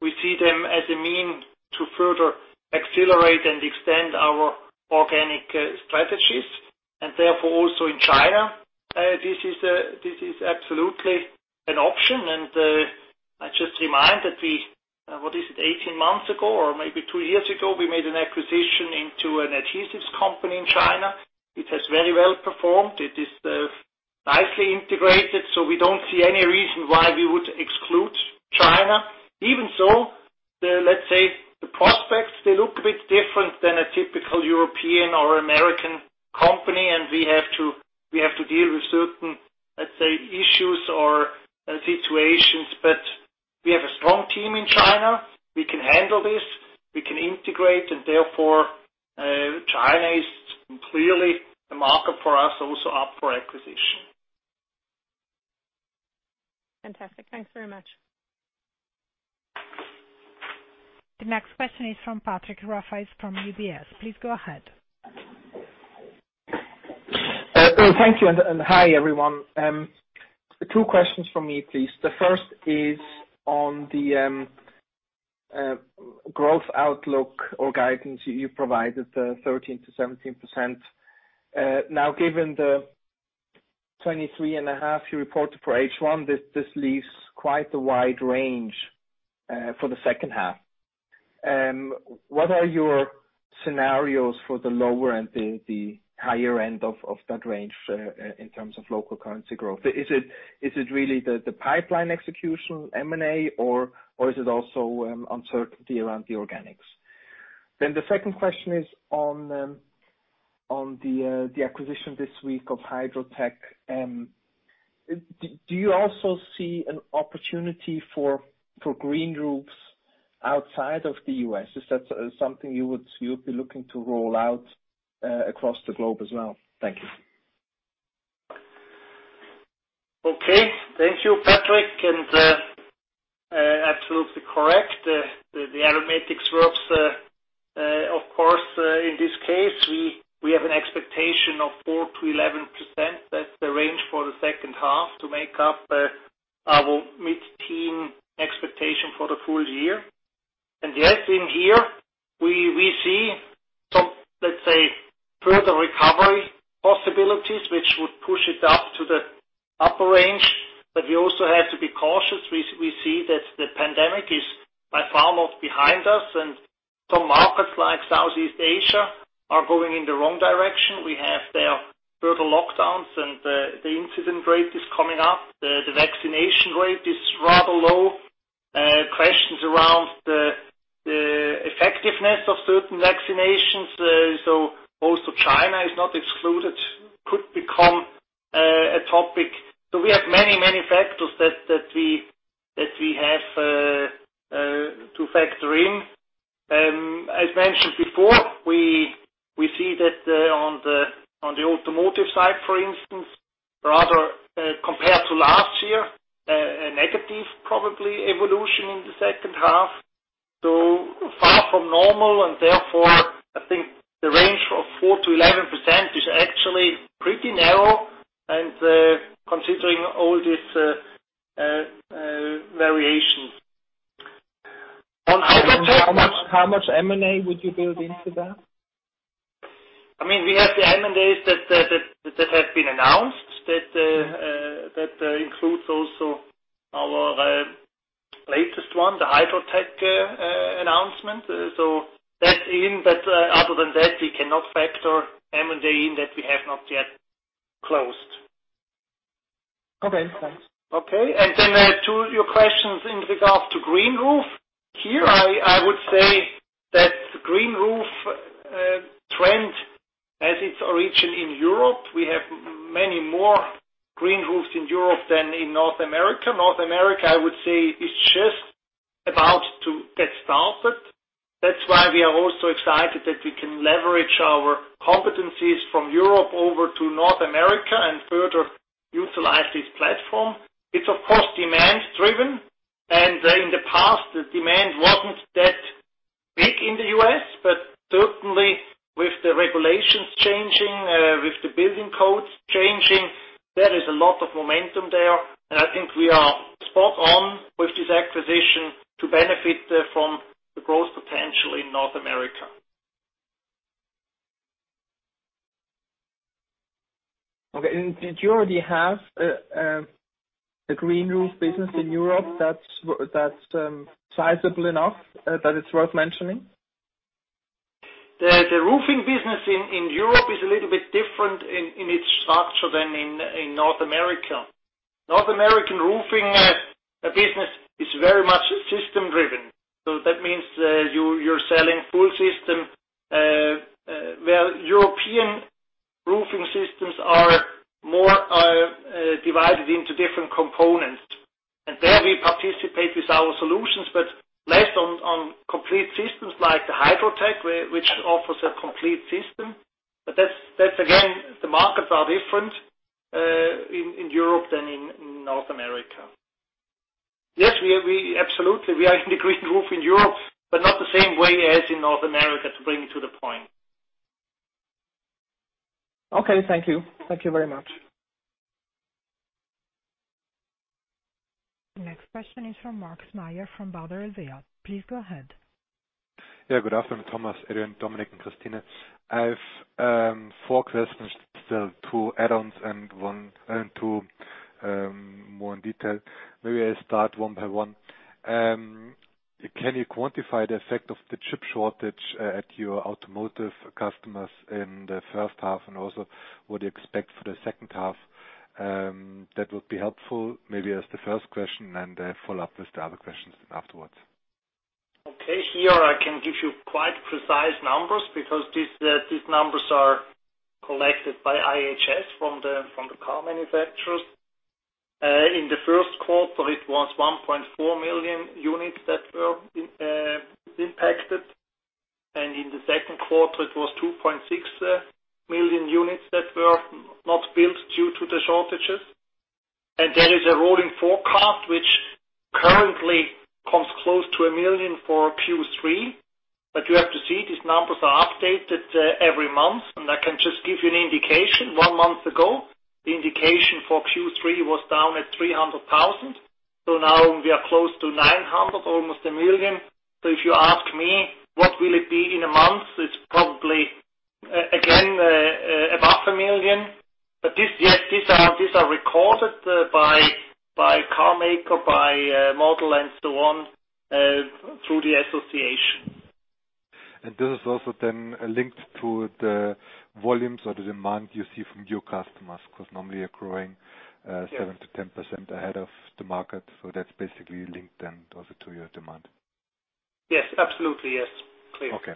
We see them as a means to further accelerate and extend our organic strategies and therefore also in China. This is absolutely an option. I just remind that we, what is it, 18 months ago or maybe two years ago, we made an acquisition into an adhesives company in China, which has very well performed. It is nicely integrated, we don't see any reason why we would exclude China. Let's say, the prospects, they look a bit different than a typical European or American company, we have to deal with certain, let's say, issues or situations. We have a strong team in China. We can handle this. We can integrate, China is clearly a market for us also up for acquisition. Fantastic. Thanks very much. The next question is from Patrick Rafaisz from UBS. Please go ahead. Thank you. Hi, everyone. Two questions from me, please. The first is on the growth outlook or guidance you provided, the 13%-17%. Given the 23.5 you reported for H1, this leaves quite a wide range for the second half. What are your scenarios for the lower and the higher end of that range, in terms of local currency growth? Is it really the pipeline execution M&A, or is it also uncertainty around the organics? The second question is on the acquisition this week of Hydrotech. Do you also see an opportunity for green roofs outside of the U.S.? Is that something you'll be looking to roll out across the globe as well? Thank you. Okay. Thank you, Patrick, and absolutely correct. The aromatics groups. In this case, we have an expectation of 4%-11%. That's the range for the second half to make up our mid-teen expectation for the full year. Yes, in here we see some, let's say, further recovery possibilities, which would push it up to the upper range. We also have to be cautious. We see that the pandemic is by far not behind us, and some markets like Southeast Asia are going in the wrong direction. We have there further lockdowns, and the incident rate is coming up. The vaccination rate is rather low. Questions around the effectiveness of certain vaccinations, so most of China is not excluded, could become a topic. We have many, many factors that we have to factor in. As mentioned before, we see that on the automotive side, for instance, rather compared to last year, a negative probably evolution in the second half, so far from normal, and therefore, I think the range of 4%-11% is actually pretty narrow and considering all these variations. How much M&A would you build into that? We have the M&As that have been announced. That includes also our latest one, the Hydrotech announcement. That's in, but other than that, we cannot factor M&A in that we have not yet closed. Okay, thanks. Okay. To your questions in regard to green roof. Here, I would say that green roof trend has its origin in Europe. We have many more green roofs in Europe than in North America. North America, I would say, is just about to get started. That's why we are all so excited that we can leverage our competencies from Europe over to North America and further utilize this platform. It's of course, demand-driven, and in the past, the demand wasn't that big in the U.S., but certainly with the regulations changing, with the building codes changing, there is a lot of momentum there, and I think we are spot on with this acquisition to benefit from the growth potential in North America. Okay. Did you already have a green roof business in Europe that's sizable enough that it's worth mentioning? The roofing business in Europe is a little bit different in its structure than in North America. North American roofing business is very much system-driven. That means that you're selling full system, where European roofing systems are more divided into different components. There we participate with our solutions, but less on complete systems like the Hydrotech, which offers a complete system. That's again, the markets are different in Europe than in North America. Yes, absolutely, we are in the green roof in Europe, but not the same way as in North America, to bring it to the point. Okay, thank you. Thank you very much. Next question is from Markus Mayer from Baader Helvea. Please go ahead. Yeah, good afternoon, Thomas Hasler, Adrian Widmer, Dominik Slappnig, and Christine Kukan. I have four questions, still two add-ons and two more in detail. Maybe I start one by one. Can you quantify the effect of the chip shortage at your automotive customers in the first half, and also what you expect for the second half? That would be helpful, maybe as the first question, and then follow up with the other questions afterwards. Okay. Here I can give you quite precise numbers because these numbers are collected by IHS from the car manufacturers. In the first quarter, it was 1.4 million units that were impacted, and in the second quarter, it was 2.6 million units that were not built due to the shortages. There is a rolling forecast which currently comes close to 1 million for Q3, you have to see these numbers are updated every month. I can just give you an indication. One month ago, the indication for Q3 was down at 300,000. Now we are close to 900,000, almost 1 million. If you ask me what will it be in a month, it's probably again, above 1 million. These are recorded by car maker, by model, and so on, through the association. This is also then linked to the volumes or the demand you see from your customers? Because normally you're growing 7%-10% ahead of the market. That's basically linked then also to your demand. Yes, absolutely yes. Clear. Okay.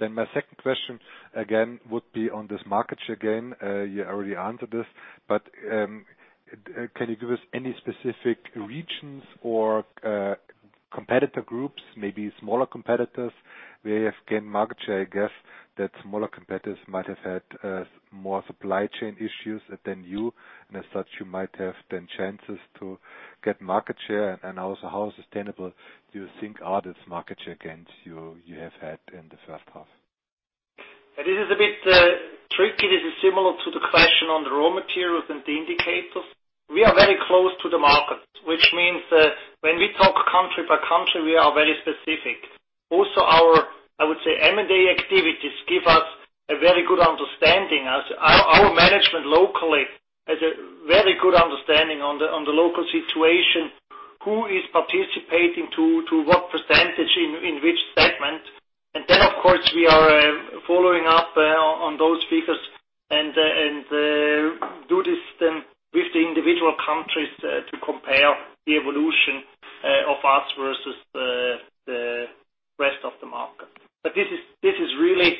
My second question, again, would be on this market share again. You already answered this. Can you give us any specific regions or competitor groups, maybe smaller competitors where you have gained market share? I guess that smaller competitors might have had more supply chain issues than you, and as such, you might have then chances to get market share. Also, how sustainable do you think are these market share gains you have had in the first half? This is a bit tricky. This is similar to the question on the raw materials and the indicators. We are very close to the market, which means that when we talk country by country, we are very specific. Also, our, I would say, M&A activities give us a very good understanding. Our management locally has a very good understanding on the local situation, who is participating to what percentage in which segment. Then, of course, we are following up on those figures and do this then with the individual countries to compare the evolution of us versus the rest of the market. This is really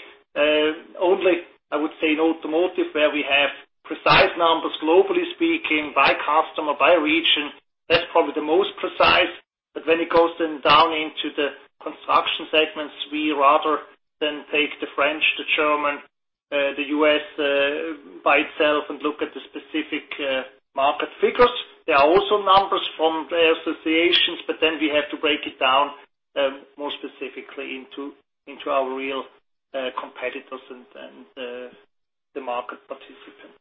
only, I would say, in automotive where we have precise numbers globally speaking by customer, by region. That's probably the most precise. When it goes then down into the construction segments, we rather then take the French, the German, the U.S. by itself and look at the specific market figures. There are also numbers from the associations, then we have to break it down more specifically into our real competitors and the market participants.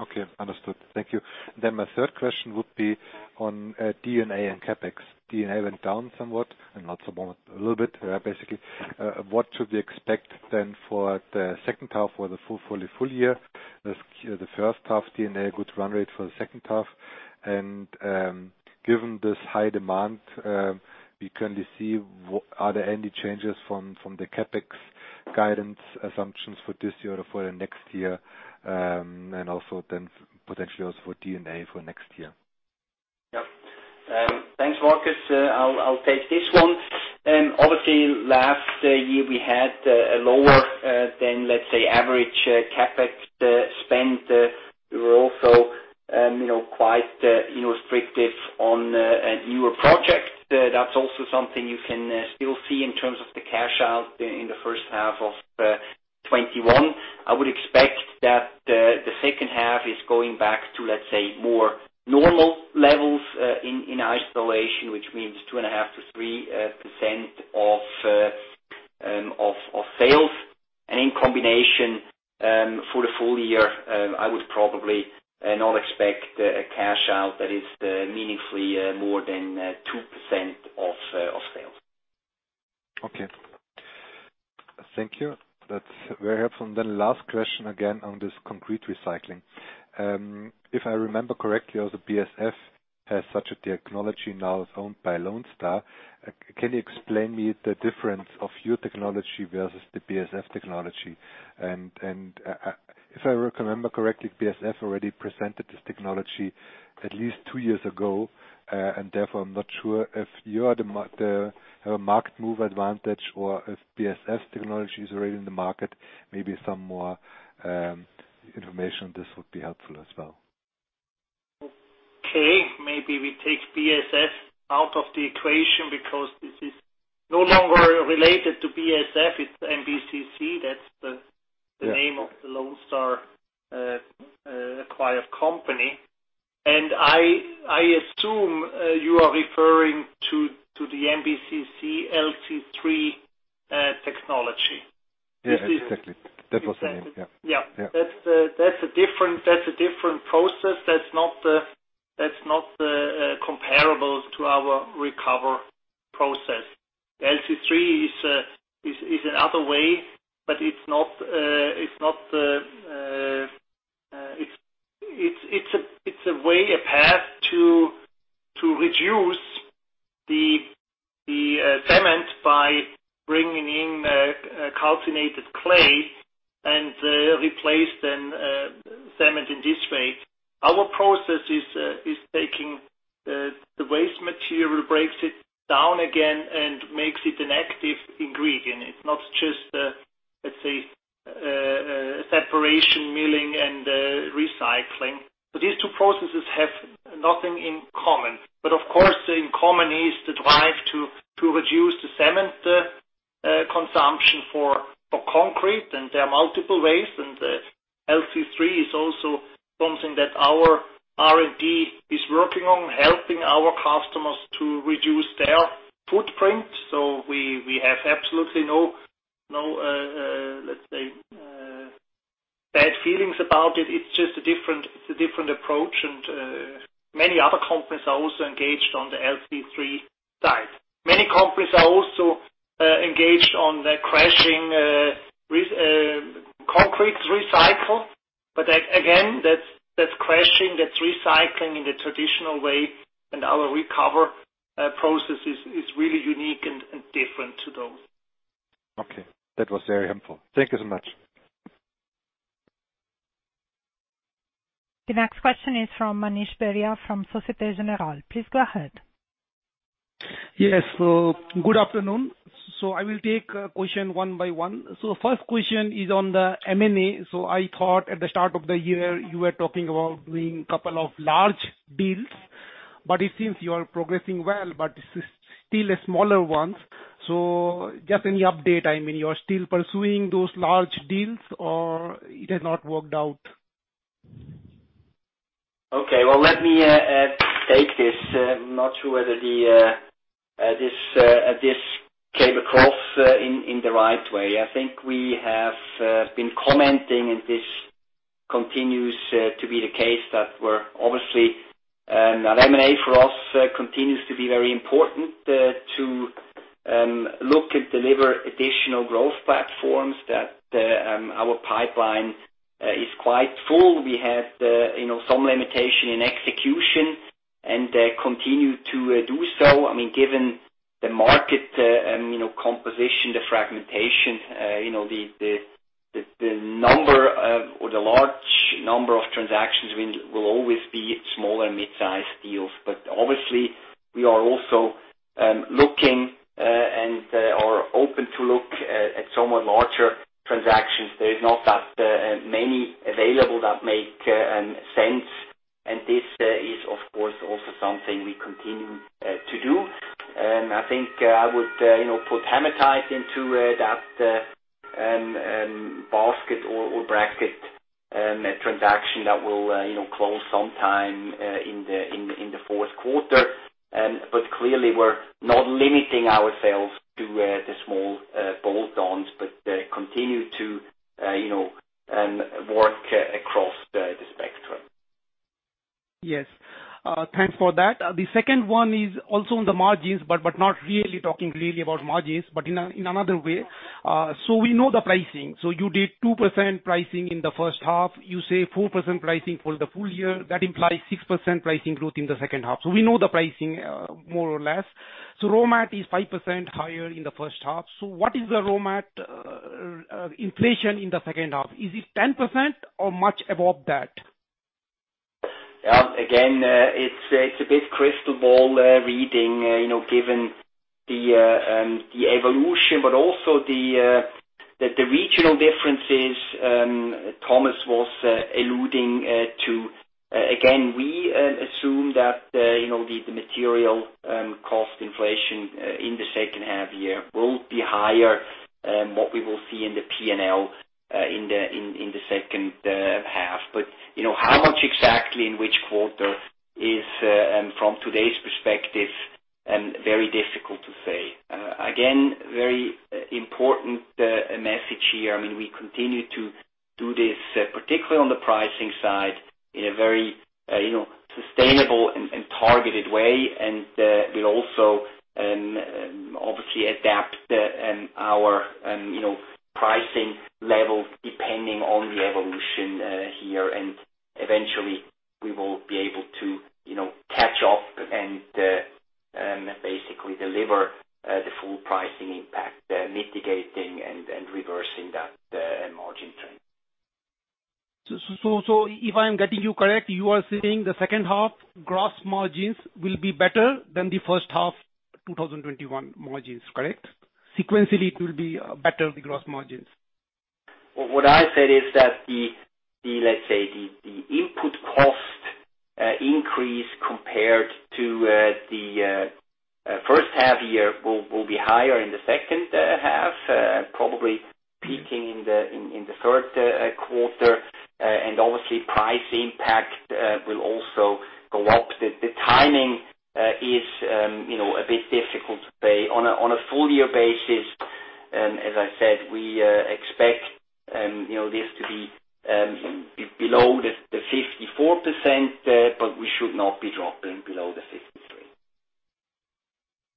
Okay, understood. Thank you. My third question would be on D&A and CapEx. D&A went down somewhat, and not so much, a little bit basically. What should we expect then for the second half or the full year? The first half D&A, good run rate for the second half. Given this high demand, we currently see, are there any changes from the CapEx guidance assumptions for this year or for the next year? Also then potentially also for D&A for next year. Yep. Thanks, Markus. I'll take this one. Obviously last year we had a lower than, let's say, average CapEx spend. We were also quite restrictive on newer projects. That's also something you can still see in terms of the cash out in the first half of 2021. I would expect that the second half is going back to, let's say, more normal levels in isolation, which means 2.5%-3% of sales. In combination for the full year, I would probably not expect a cash out that is meaningfully more than 2% of sales. Okay. Thank you. That's very helpful. Then last question again on this concrete recycling. If I remember correctly, also BASF has such a technology now. It's owned by Lone Star. Can you explain me the difference of your technology versus the BASF technology? If I remember correctly, BASF already presented this technology at least two years ago, and therefore I'm not sure if you have a market move advantage or if BASF technology is already in the market. Maybe some more information on this would be helpful as well. Okay, maybe we take BASF out of the equation because this is no longer related to BASF. It's MBCC, that's the name of the Lone Star acquired company. I assume you are referring to the MBCC LC3 technology. Yeah, exactly. That was the name. Yeah. Yeah. That's a different process. That's not comparable to our reCO2ver process. The LC3 is another way, it's a way, a path to reduce the cement by bringing in calcined clay and replace then cement in this way. Our process is taking the waste material, breaks it down again and makes it an active ingredient. It's not just, let's say, separation, milling, and recycling. These two processes have nothing in common. Of course, in common is the drive to reduce the cement consumption for concrete, and there are multiple ways. The LC3 is also something that our R&D is working on, helping our customers to reduce their footprint. We have absolutely no, let's say, bad feelings about it. It's just a different approach and many other companies are also engaged on the LC3 side. Many companies are also engaged on the crushing concrete recycle. Again, that's crushing, that's recycling in the traditional way. Our reCO2ver process is really unique and different to those. Okay. That was very helpful. Thank you so much. The next question is from Manish Beria of Societe Generale. Please go ahead. Yes. Good afternoon. I will take question one by one. First question is on the M&A. I thought at the start of the year, you were talking about doing couple of large deals, but it seems you are progressing well, but this is still smaller ones. Just any update? I mean, you are still pursuing those large deals or it has not worked out? Well, let me take this. I'm not sure whether this came across in the right way. I think we have been commenting, and this continues to be the case, that we're obviously An M&A for us continues to be very important to look and deliver additional growth platforms that our pipeline is quite full. We had some limitation in execution and continue to do so. Given the market composition, the fragmentation, the large number of transactions will always be small and mid-sized deals. Obviously, we are also looking and are open to look at somewhat larger transactions. There is not that many available that make sense, and this is of course, also something we continue to do. I think I would put Hamatite into that basket or bracket transaction that will close sometime in the fourth quarter. Clearly we're not limiting ourselves to the small bolt-ons, but continue to work across the spectrum. Yes. Thanks for that. The second one is also on the margins, but not really talking really about margins, but in another way. We know the pricing. You did 2% pricing in the first half. You say 4% pricing for the full year. That implies 6% pricing growth in the second half. We know the pricing more or less. raw mat is 5% higher in the first half. What is the raw mat inflation in the second half? Is it 10% or much above that? Yeah. Again, it's a bit crystal ball reading, given the evolution, but also that the regional differences Thomas was alluding to. Again, we assume that the material cost inflation in the second half year will be higher than what we will see in the P&L in the second half. How much exactly in which quarter is, from today's perspective, very difficult to say. Again, very important message here. We continue to do this, particularly on the pricing side, in a very sustainable and targeted way. We'll also obviously adapt our pricing levels depending on the evolution here. Eventually we will be able to catch up and basically deliver the full pricing impact, mitigating and reversing that margin trend. If I'm getting you correct, you are saying the second half gross margins will be better than the first half 2021 margins, correct? Sequentially, it will be better, the gross margins. What I said is that, let's say, the input cost increase compared to the first half year will be higher in the second half, probably peaking in the third quarter. Obviously price impact will also go up. The timing is a bit difficult to say. On a full year basis, as I said, we expect this to be below the 54%, but we should not be dropping below the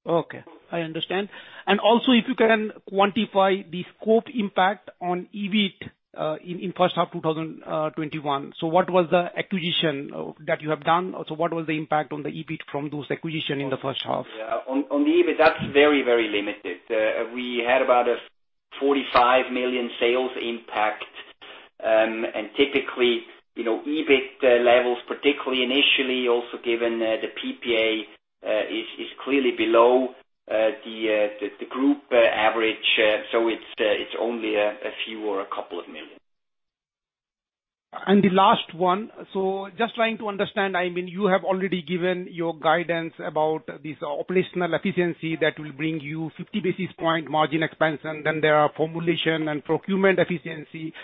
53%. Okay. I understand. Also if you can quantify the scope impact on EBIT in first half 2021. What was the acquisition that you have done? What was the impact on the EBIT from those acquisition in the first half? On the EBIT, that's very limited. We had about a 45 million sales impact. Typically, EBIT levels, particularly initially, also given the PPA, is clearly below the group average. It's only a few or a couple of million. The last one. Just trying to understand, you have already given your guidance about this operational efficiency that will bring you 50 basis point margin expansion. There are formulation and procurement efficiency.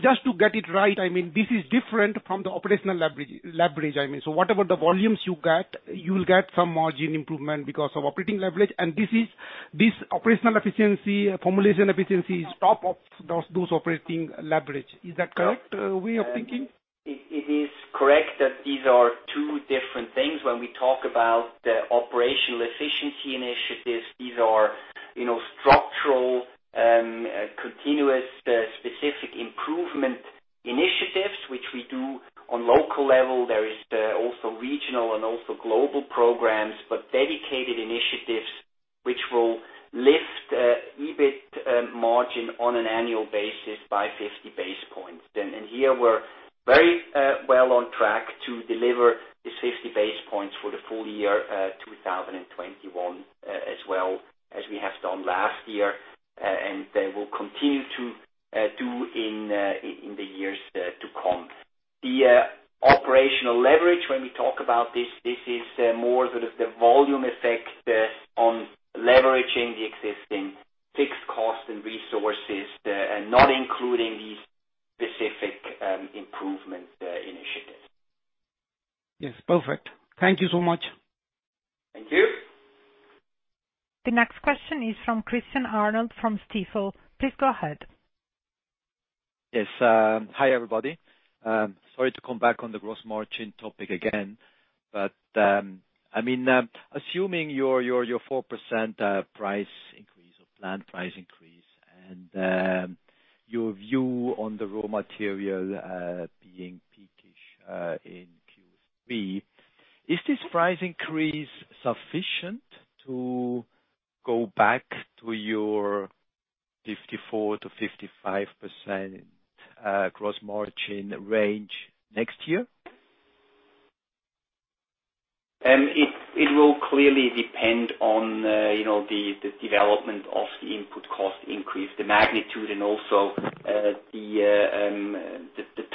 Just to get it right, this is different from the operational leverage. Whatever the volumes you get, you'll get some margin improvement because of operating leverage, and this operational efficiency, formulation efficiency is top of those operating leverage. Is that correct way of thinking? It is correct that these are two different things. When we talk about the operational efficiency initiatives, these are structural, continuous, specific improvement initiatives, which we do on local level. Dedicated initiatives which will lift EBIT margin on an annual basis by 50 base points. Here we're very well on track to deliver the 50 base points for the full year 2021, as well as we have done last year, and will continue to do in the years to come. The operational leverage, when we talk about this is more sort of the volume effect on leveraging the existing fixed cost and resources, and not including these specific improvement initiatives. Yes, perfect. Thank you so much. Thank you. The next question is from Christian Arnold from Stifel. Please go ahead. Yes. Hi, everybody. Sorry to come back on the gross margin topic again. Assuming your 4% price increase or planned price increase and your view on the raw material being peak-ish in Q3, is this price increase sufficient to go back to your 54%-55% gross margin range next year? It will clearly depend on the development of the input cost increase, the magnitude, and also the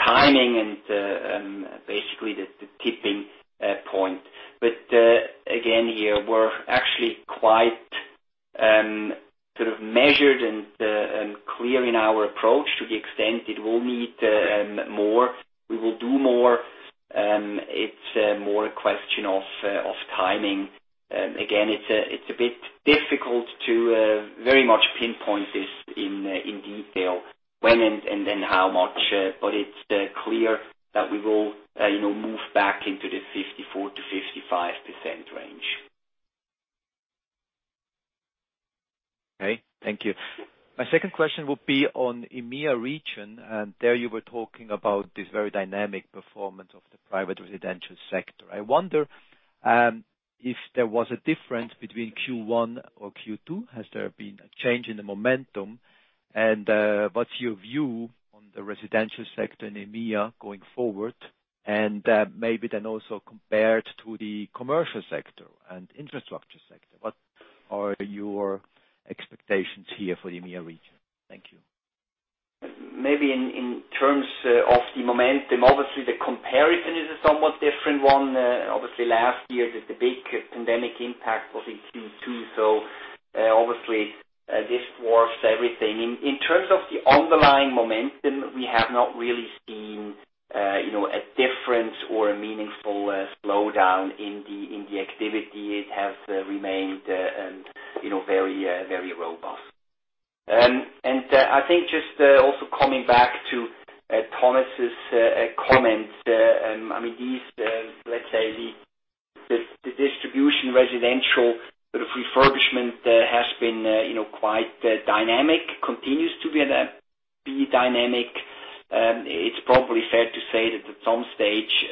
timing and basically the tipping point. Again, here we're actually quite measured and clear in our approach to the extent it will need more, we will do more. It's more a question of timing. Again, it's a bit difficult to very much pinpoint this in detail, when and then how much, but it's clear that we will move back into the 54%-55% range. Okay. Thank you. My second question would be on EMEA region, and there you were talking about this very dynamic performance of the private residential sector. I wonder if there was a difference between Q1 or Q2. Has there been a change in the momentum? What's your view on the residential sector in EMEA going forward? Maybe then also compared to the commercial sector and infrastructure sector, what are your expectations here for the EMEA region? Thank you. Maybe in terms of the momentum, obviously the comparison is a somewhat different one. Obviously last year, the big pandemic impact was in Q2, so obviously this dwarfs everything. In terms of the underlying momentum, we have not really seen a difference or a meaningful slowdown in the activity. It has remained very robust. I think just also coming back to Thomas's comments, let's say the distribution residential sort of refurbishment has been quite dynamic, continues to be dynamic. It's probably fair to say that at some stage,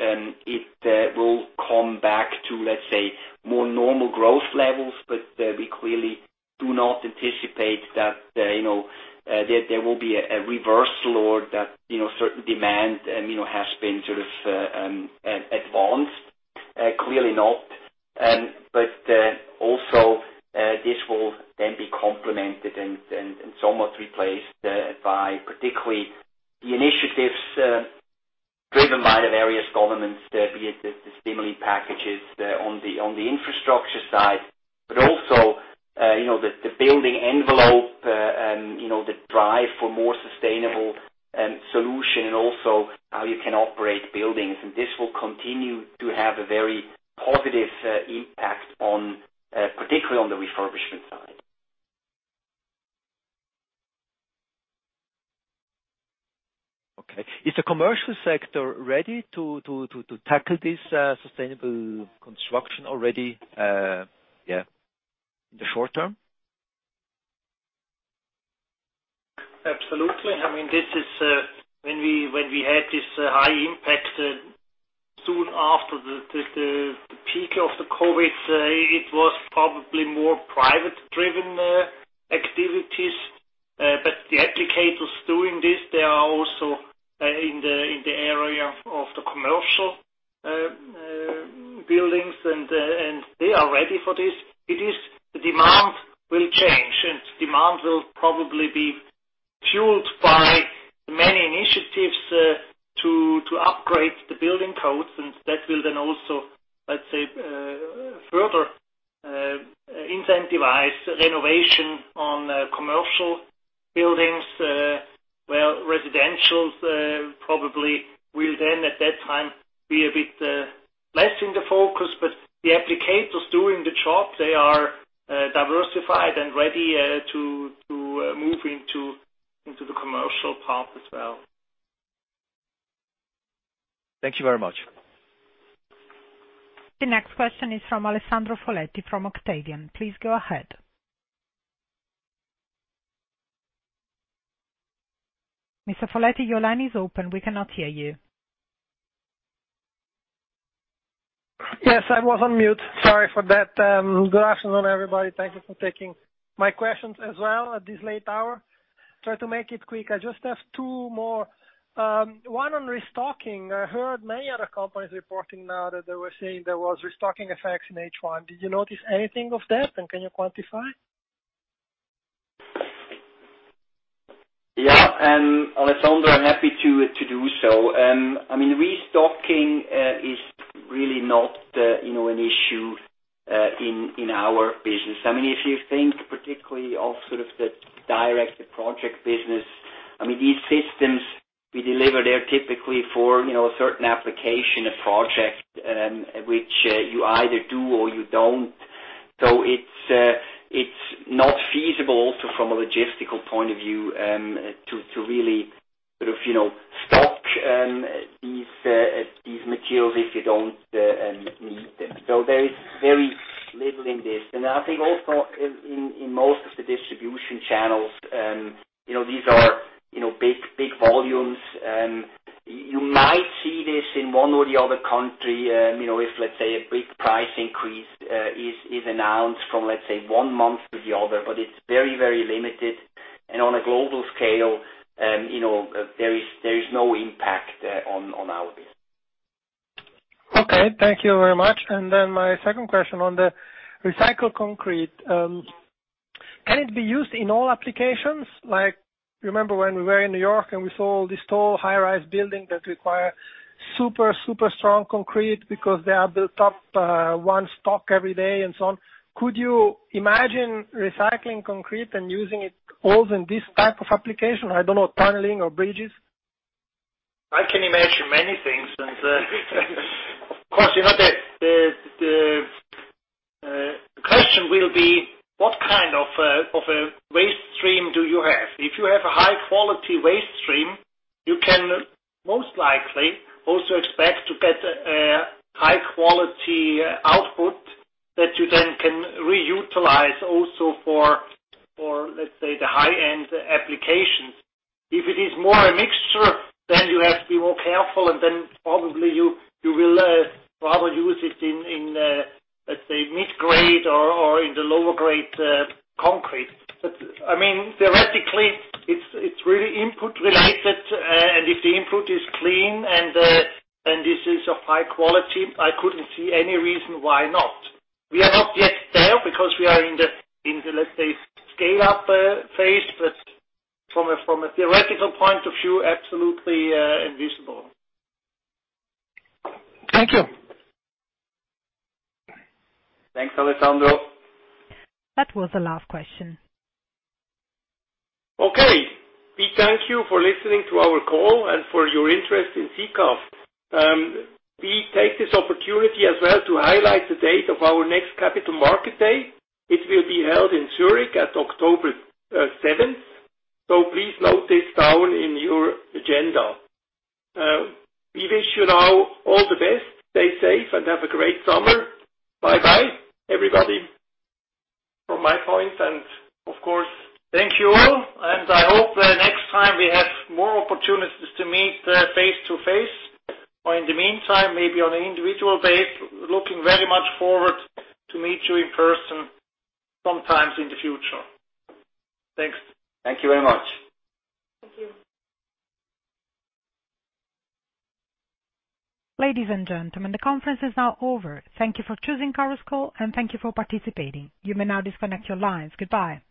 it will come back to, let's say, more normal growth levels, but we clearly do not anticipate that there will be a reversal or that certain demand has been sort of advanced. Clearly not. This will then be complemented and somewhat replaced by particularly the initiatives driven by the various governments, be it the stimuli packages on the infrastructure side. The building envelope, the drive for more sustainable solution and also how you can operate buildings. This will continue to have a very positive impact, particularly on the refurbishment side. Okay. Is the commercial sector ready to tackle this sustainable construction already in the short term? Absolutely. When we had this high impact soon after the peak of the COVID, it was probably more private-driven activities. The applicators doing this, they are also in the area of the commercial buildings, and they are ready for this. The demand will change, and demand will probably be fueled by many initiatives to upgrade the building codes, and that will then also, let's say, further incentivize renovation on commercial buildings. Well, residentials probably will then at that time be a bit less in the focus, but the applicators doing the job, they are diversified and ready to move into the commercial part as well. Thank you very much. The next question is from Alessandro Foletti from Octavian. Please go ahead. Mr. Foletti, your line is open. We cannot hear you. Yes, I was on mute. Sorry for that. Good afternoon, everybody. Thank you for taking my questions as well at this late hour. Try to make it quick. I just have two more. One on restocking. I heard many other companies reporting now that they were saying there was restocking effects in H1. Did you notice anything of that, and can you quantify? Yeah. Alessandro, I'm happy to do so. Restocking is really not an issue in our business. If you think particularly of the direct project business, these systems we deliver, they're typically for a certain application, a project, which you either do or you don't. It's not feasible from a logistical point of view to really stock these materials if you don't need them. There is very little in this. I think also in most of the distribution channels, these are big volumes. You might see this in one or the other country, if let's say, a big price increase is announced from, let's say, one month to the other, but it's very limited. On a global scale, there is no impact on our business. Okay, thank you very much. My second question on the recycled concrete. Can it be used in all applications? Like, remember when we were in New York and we saw all these tall, high-rise buildings that require super strong concrete because they are built up one story every day, and so on. Could you imagine recycling concrete and using it also in this type of application? I don't know, tunneling or bridges? I can imagine many things and of course, the question will be what kind of a waste stream do you have? If you have a high-quality waste stream, you can most likely also expect to get a high-quality output that you then can reutilize also for, let's say, the high-end applications. If it is more a mixture, then you have to be more careful, and then probably you will rather use it in, let's say, mid-grade or in the lower-grade concrete. Theoretically, it's really input related, and if the input is clean and this is of high quality, I couldn't see any reason why not. We are not yet there because we are in the, let's say, scale-up phase. From a theoretical point of view, absolutely feasible. Thank you. Thanks, Alessandro. That was the last question. Okay. We thank you for listening to our call and for your interest in Sika. We take this opportunity as well to highlight the date of our next Capital Market Day. It will be held in Zürich at October 7th. Please note this down in your agenda. We wish you now all the best, stay safe, and have a great summer. Bye-bye, everybody, from my point. Thank you all. I hope that next time we have more opportunities to meet face-to-face, or in the meantime, maybe on an individual basis. Looking very much forward to meet you in person sometime in the future. Thanks. Thank you very much. Thank you. Ladies and gentlemen, the conference is now over. Thank you for choosing Chorus Call, and thank you for participating. You may now disconnect your lines. Goodbye.